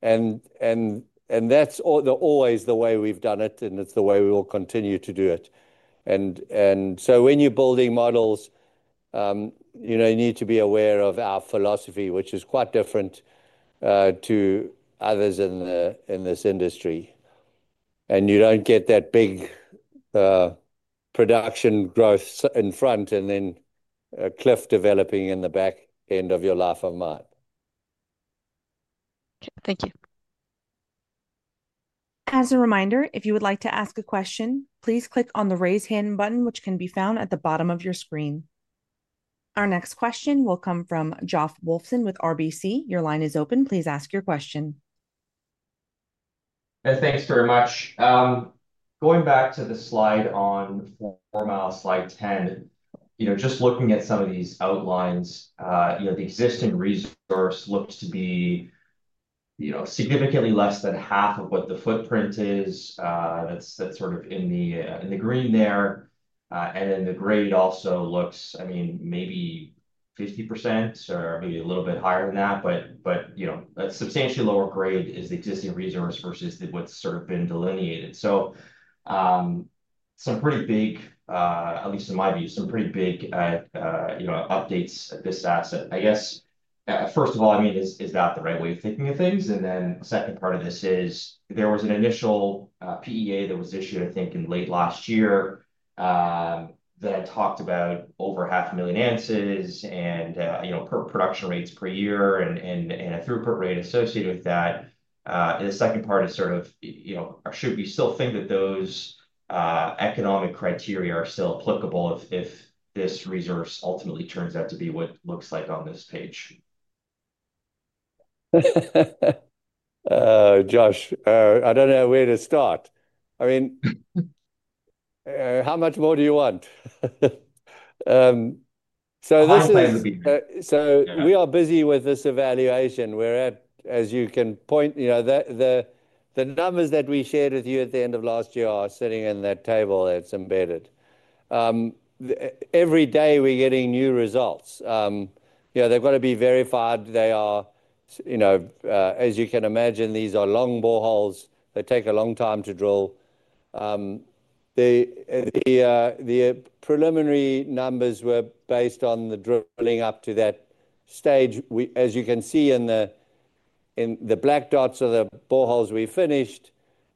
That's always the way we've done it, and it's the way we will continue to do it. When you're building models, you need to be aware of our philosophy, which is quite different to others in this industry. You don't get that big production growth in front and then a cliff developing in the back end of your life of mine. Okay, thank you. As a reminder, if you would like to ask a question, please click on the raise hand button, which can be found at the bottom of your screen. Our next question will come from Josh Wolfson with RBC. Your line is open. Please ask your question. Thanks very much. Going back to the slide on Fourmile, slide 10, just looking at some of these outlines, the existing resource looks to be significantly less than half of what the footprint is. That's sort of in the green there. The grade also looks, I mean, maybe 50% or maybe a little bit higher than that, but that substantially lower grade is the existing resource versus what's sort of been delineated. Some pretty big, at least in my view, some pretty big updates at this asset. I guess, first of all, is that the right way of thinking of things? The second part of this is there was an initial PEA that was issued, I think, in late last year that talked about over half a million ounces and production rates per year and a throughput rate associated with that. The second part is should we still think that those economic criteria are still applicable if this resource ultimately turns out to be what it looks like on this page. Oh, Josh, I don't know where to start. I mean, how much more do you want? We are busy with this evaluation. We're at, as you can point, you know, the numbers that we shared with you at the end of last year are sitting in that table that's embedded. Every day we're getting new results. They've got to be verified. You know, as you can imagine, these are long boreholes. They take a long time to drill. The preliminary numbers were based on the drilling up to that stage. As you can see, the black dots are the boreholes we finished.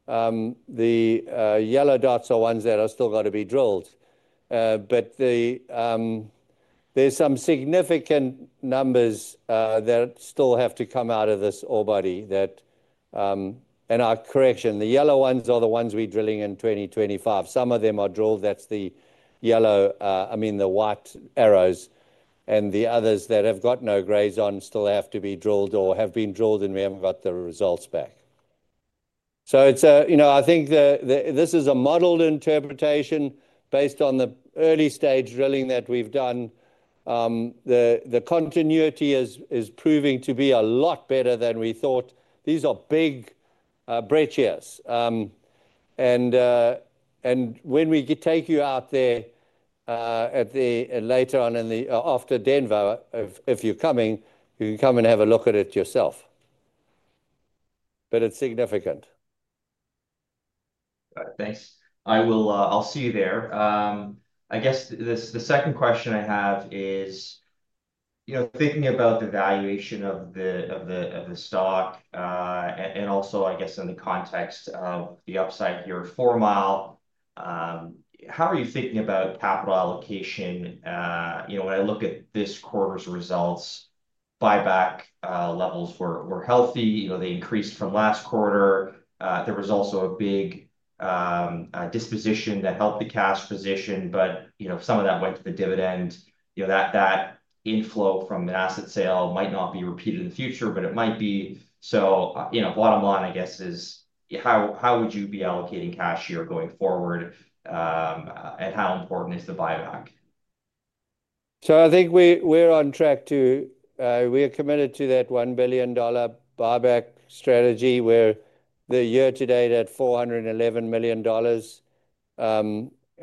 The yellow dots are ones that are still got to be drilled. There's some significant numbers that still have to come out of this ore body, and our correction, the yellow ones are the ones we're drilling in 2025. Some of them are drilled. That's the yellow, I mean the white arrows. The others that have got no grays on still have to be drilled or have been drilled and we haven't got the results back. I think this is a modeled interpretation based on the early stage drilling that we've done. The continuity is proving to be a lot better than we thought. These are big breaches. When we take you out there later on, after Denver, if you're coming, you can come and have a look at it yourself. It's significant. Thanks. I'll see you there. I guess the second question I have is, you know, thinking about the valuation of the stock and also, I guess, in the context of the upside here, Fourmile, how are you thinking about capital allocation? You know, when I look at this quarter's results, buyback levels were healthy. They increased from last quarter. There was also a big disposition that helped the cash position, but you know, some of that went to the dividend. That inflow from an asset sale might not be repeated in the future, but it might be. Bottom line, I guess, is how would you be allocating cash here going forward and how important is the buyback? I think we're on track to, we're committed to that $1 billion buyback strategy. We're year to date at $411 million,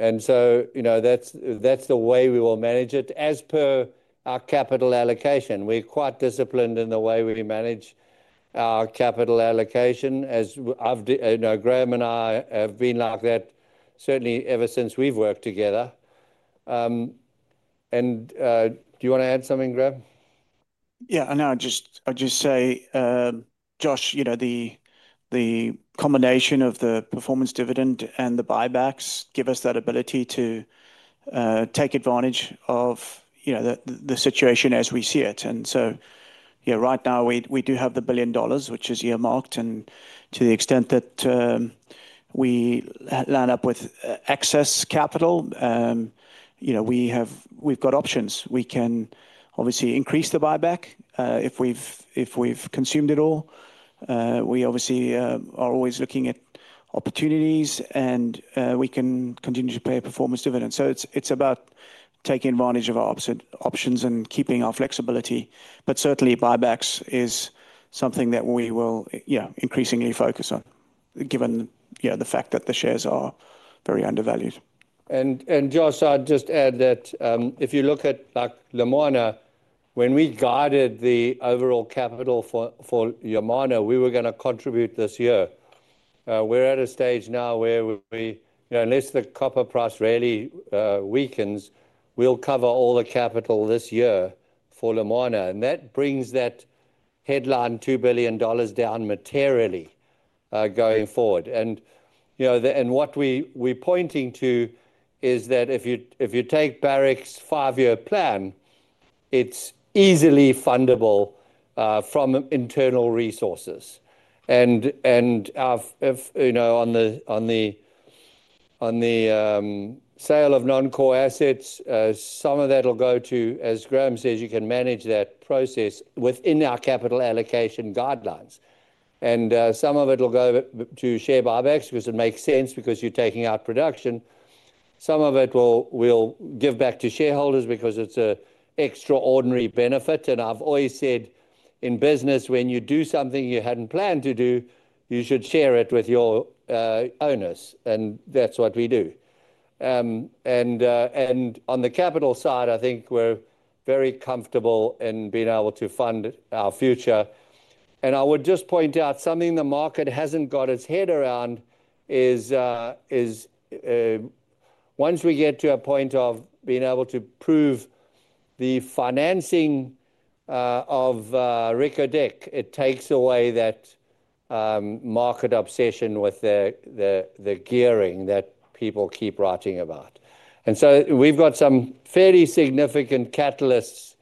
and that's the way we will manage it as per our capital allocation. We're quite disciplined in the way we manage our capital allocation. As I've, you know, Graham and I have been like that certainly ever since we've worked together. Do you want to add something, Graham? Yeah, I know. I just say, Josh, you know, the combination of the performance dividend and the buybacks give us that ability to take advantage of, you know, the situation as we see it. Right now we do have the $1 billion, which is earmarked. To the extent that we land up with excess capital, you know, we've got options. We can obviously increase the buyback if we've consumed it all. We obviously are always looking at opportunities and we can continue to pay a performance dividend. It's about taking advantage of our options and keeping our flexibility. Certainly, buybacks is something that we will increasingly focus on, given the fact that the shares are very undervalued. Josh, I'd just add that if you look at Lumwana, when we guided the overall capital for Lumwana, we were going to contribute this year. We're at a stage now where we, you know, unless the copper price really weakens, we'll cover all the capital this year for Lumwana. That brings that headline $2 billion down materially going forward. What we're pointing to is that if you take Barrick's five-year plan, it's easily fundable from internal resources. On the sale of non-core assets, some of that will go to, as Graham says, you can manage that process within our capital allocation guidelines. Some of it will go to share buybacks because it makes sense because you're taking out production. Some of it will give back to shareholders because it's an extraordinary benefit. I've always said in business, when you do something you hadn't planned to do, you should share it with your owners. That's what we do. On the capital side, I think we're very comfortable in being able to fund our future. I would just point out something the market hasn't got its head around is once we get to a point of being able to prove the financing of Reko Diq, it takes away that market obsession with the gearing that people keep writing about. We've got some fairly significant catalysts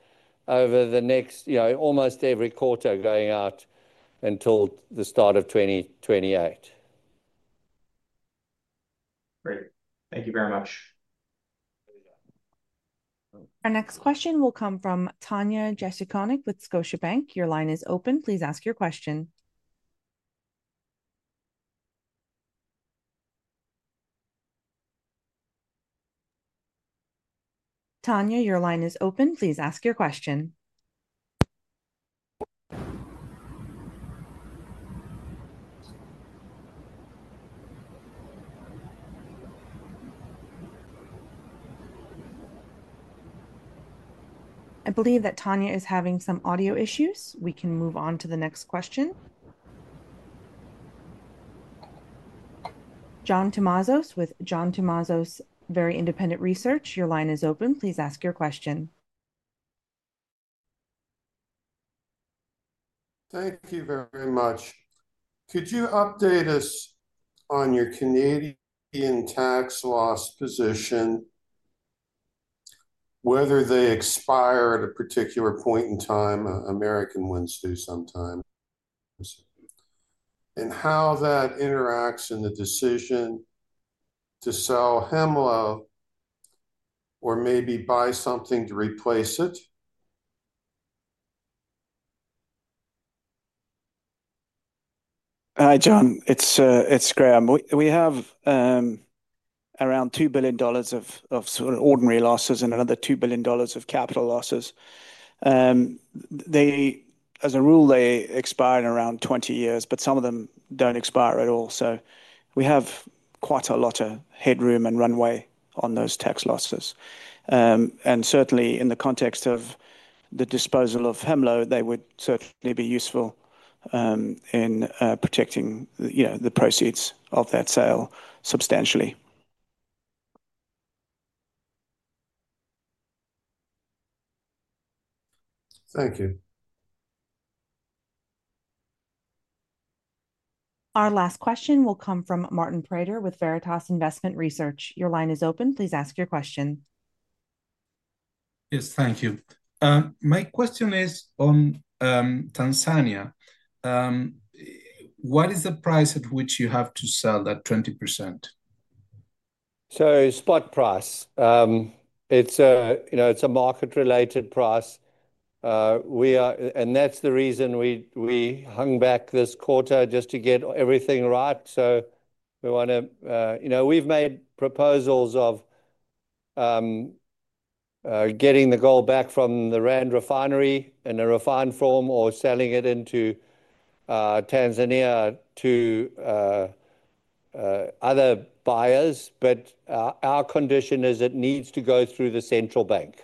over the next, you know, almost every quarter going out until the start of 2028. Great. Thank you very much. Our next question will come from Tanya Jakusconek with Scotiabank. Your line is open. Please ask your question. Tanya, your line is open. Please ask your question. I believe that Tanya is having some audio issues. We can move on to the next question. John Tumazos with John Tumazos Very Independent Research. Your line is open. Please ask your question. Thank you very much. Could you update us on your Canadian tax loss position, whether they expire at a particular point in time? American ones do sometime, and how that interacts in the decision to sell Hemlo or maybe buy something to replace it? John, it's Graham. We have around $2 billion of sort of ordinary losses and another $2 billion of capital losses. As a rule, they expire in around 20 years, but some of them don't expire at all. We have quite a lot of headroom and runway on those tax losses. Certainly, in the context of the disposal of Hemlo, they would certainly be useful in protecting the proceeds of that sale substantially. Thank you. Our last question will come from Martin Pradier with Veritas Investment Research. Your line is open. Please ask your question. Yes, thank you. My question is on Tanzania. What is the price at which you have to sell that 20%? Spot price is a market-related price. That's the reason we hung back this quarter just to get everything right. We want to, you know, we've made proposals of getting the gold back from the Rand Refinery in a refined form or selling it into Tanzania to other buyers. Our condition is it needs to go through the central bank,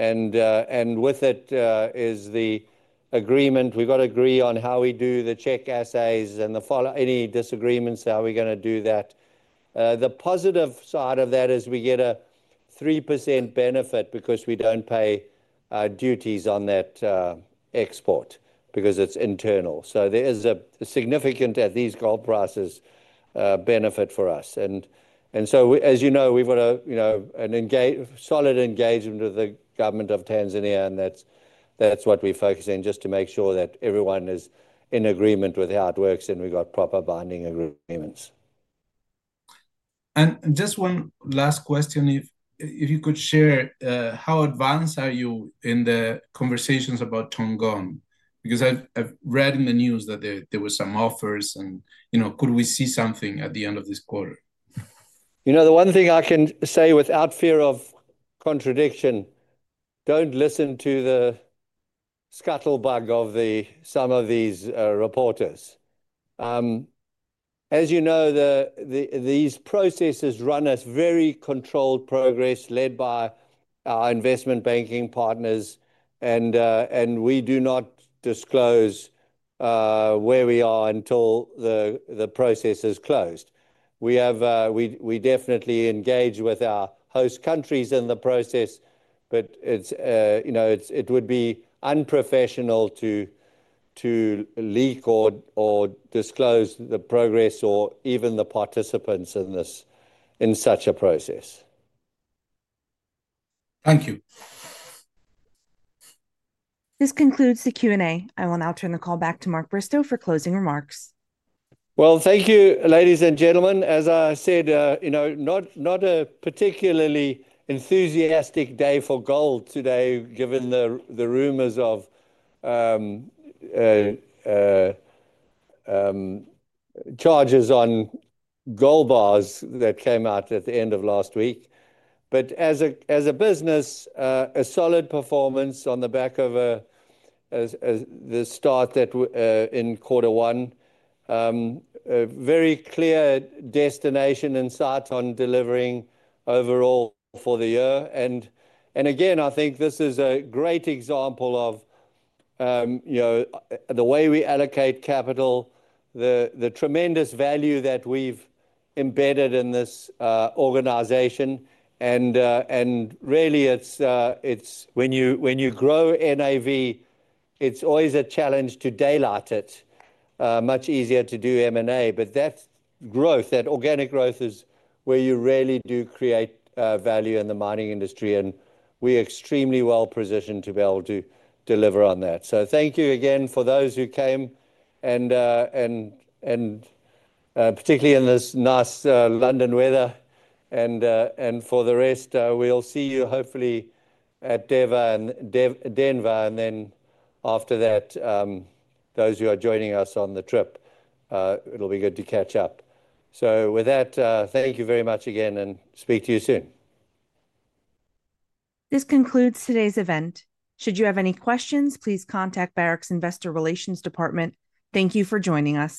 and with it is the agreement. We've got to agree on how we do the check assays and the follow-up, any disagreements, how we're going to do that. The positive side of that is we get a 3% benefit because we don't pay duties on that export because it's internal. There is a significant, at least gold prices, benefit for us. As you know, we've got a solid engagement with the government of Tanzania, and that's what we focus on just to make sure that everyone is in agreement with how it works and we've got proper binding agreements. Just one last question. If you could share, how advanced are you in the conversations about Tongon? I've read in the news that there were some offers, and, you know, could we see something at the end of this quarter? You know, the one thing I can say without fear of contradiction, don't listen to the scuttlebutt of some of these reporters. As you know, these processes run as very controlled progress led by our investment banking partners, and we do not disclose where we are until the process is closed. We definitely engage with our host countries in the process, but it would be unprofessional to leak or disclose the progress or even the participants in such a process. Thank you. This concludes the Q&A. I will now turn the call back to Mark Bristow for closing remarks. Thank you, ladies and gentlemen. As I said, you know, not a particularly enthusiastic day for gold today, given the rumors of charges on gold bars that came out at the end of last week. As a business, a solid performance on the back of the start that in quarter one, a very clear destination and start on delivering overall for the year. I think this is a great example of, you know, the way we allocate capital, the tremendous value that we've embedded in this organization. Really, it's when you grow NAV, it's always a challenge to daylight it. Much easier to do M&A. That growth, that organic growth is where you really do create value in the mining industry. We're extremely well positioned to be able to deliver on that. Thank you again for those who came and particularly in this nice London weather. For the rest, we'll see you hopefully at Denver. After that, those who are joining us on the trip, it'll be good to catch up. With that, thank you very much again and speak to you soon. This concludes today's event. Should you have any questions, please contact Barrick's Investor Relations Department. Thank you for joining us.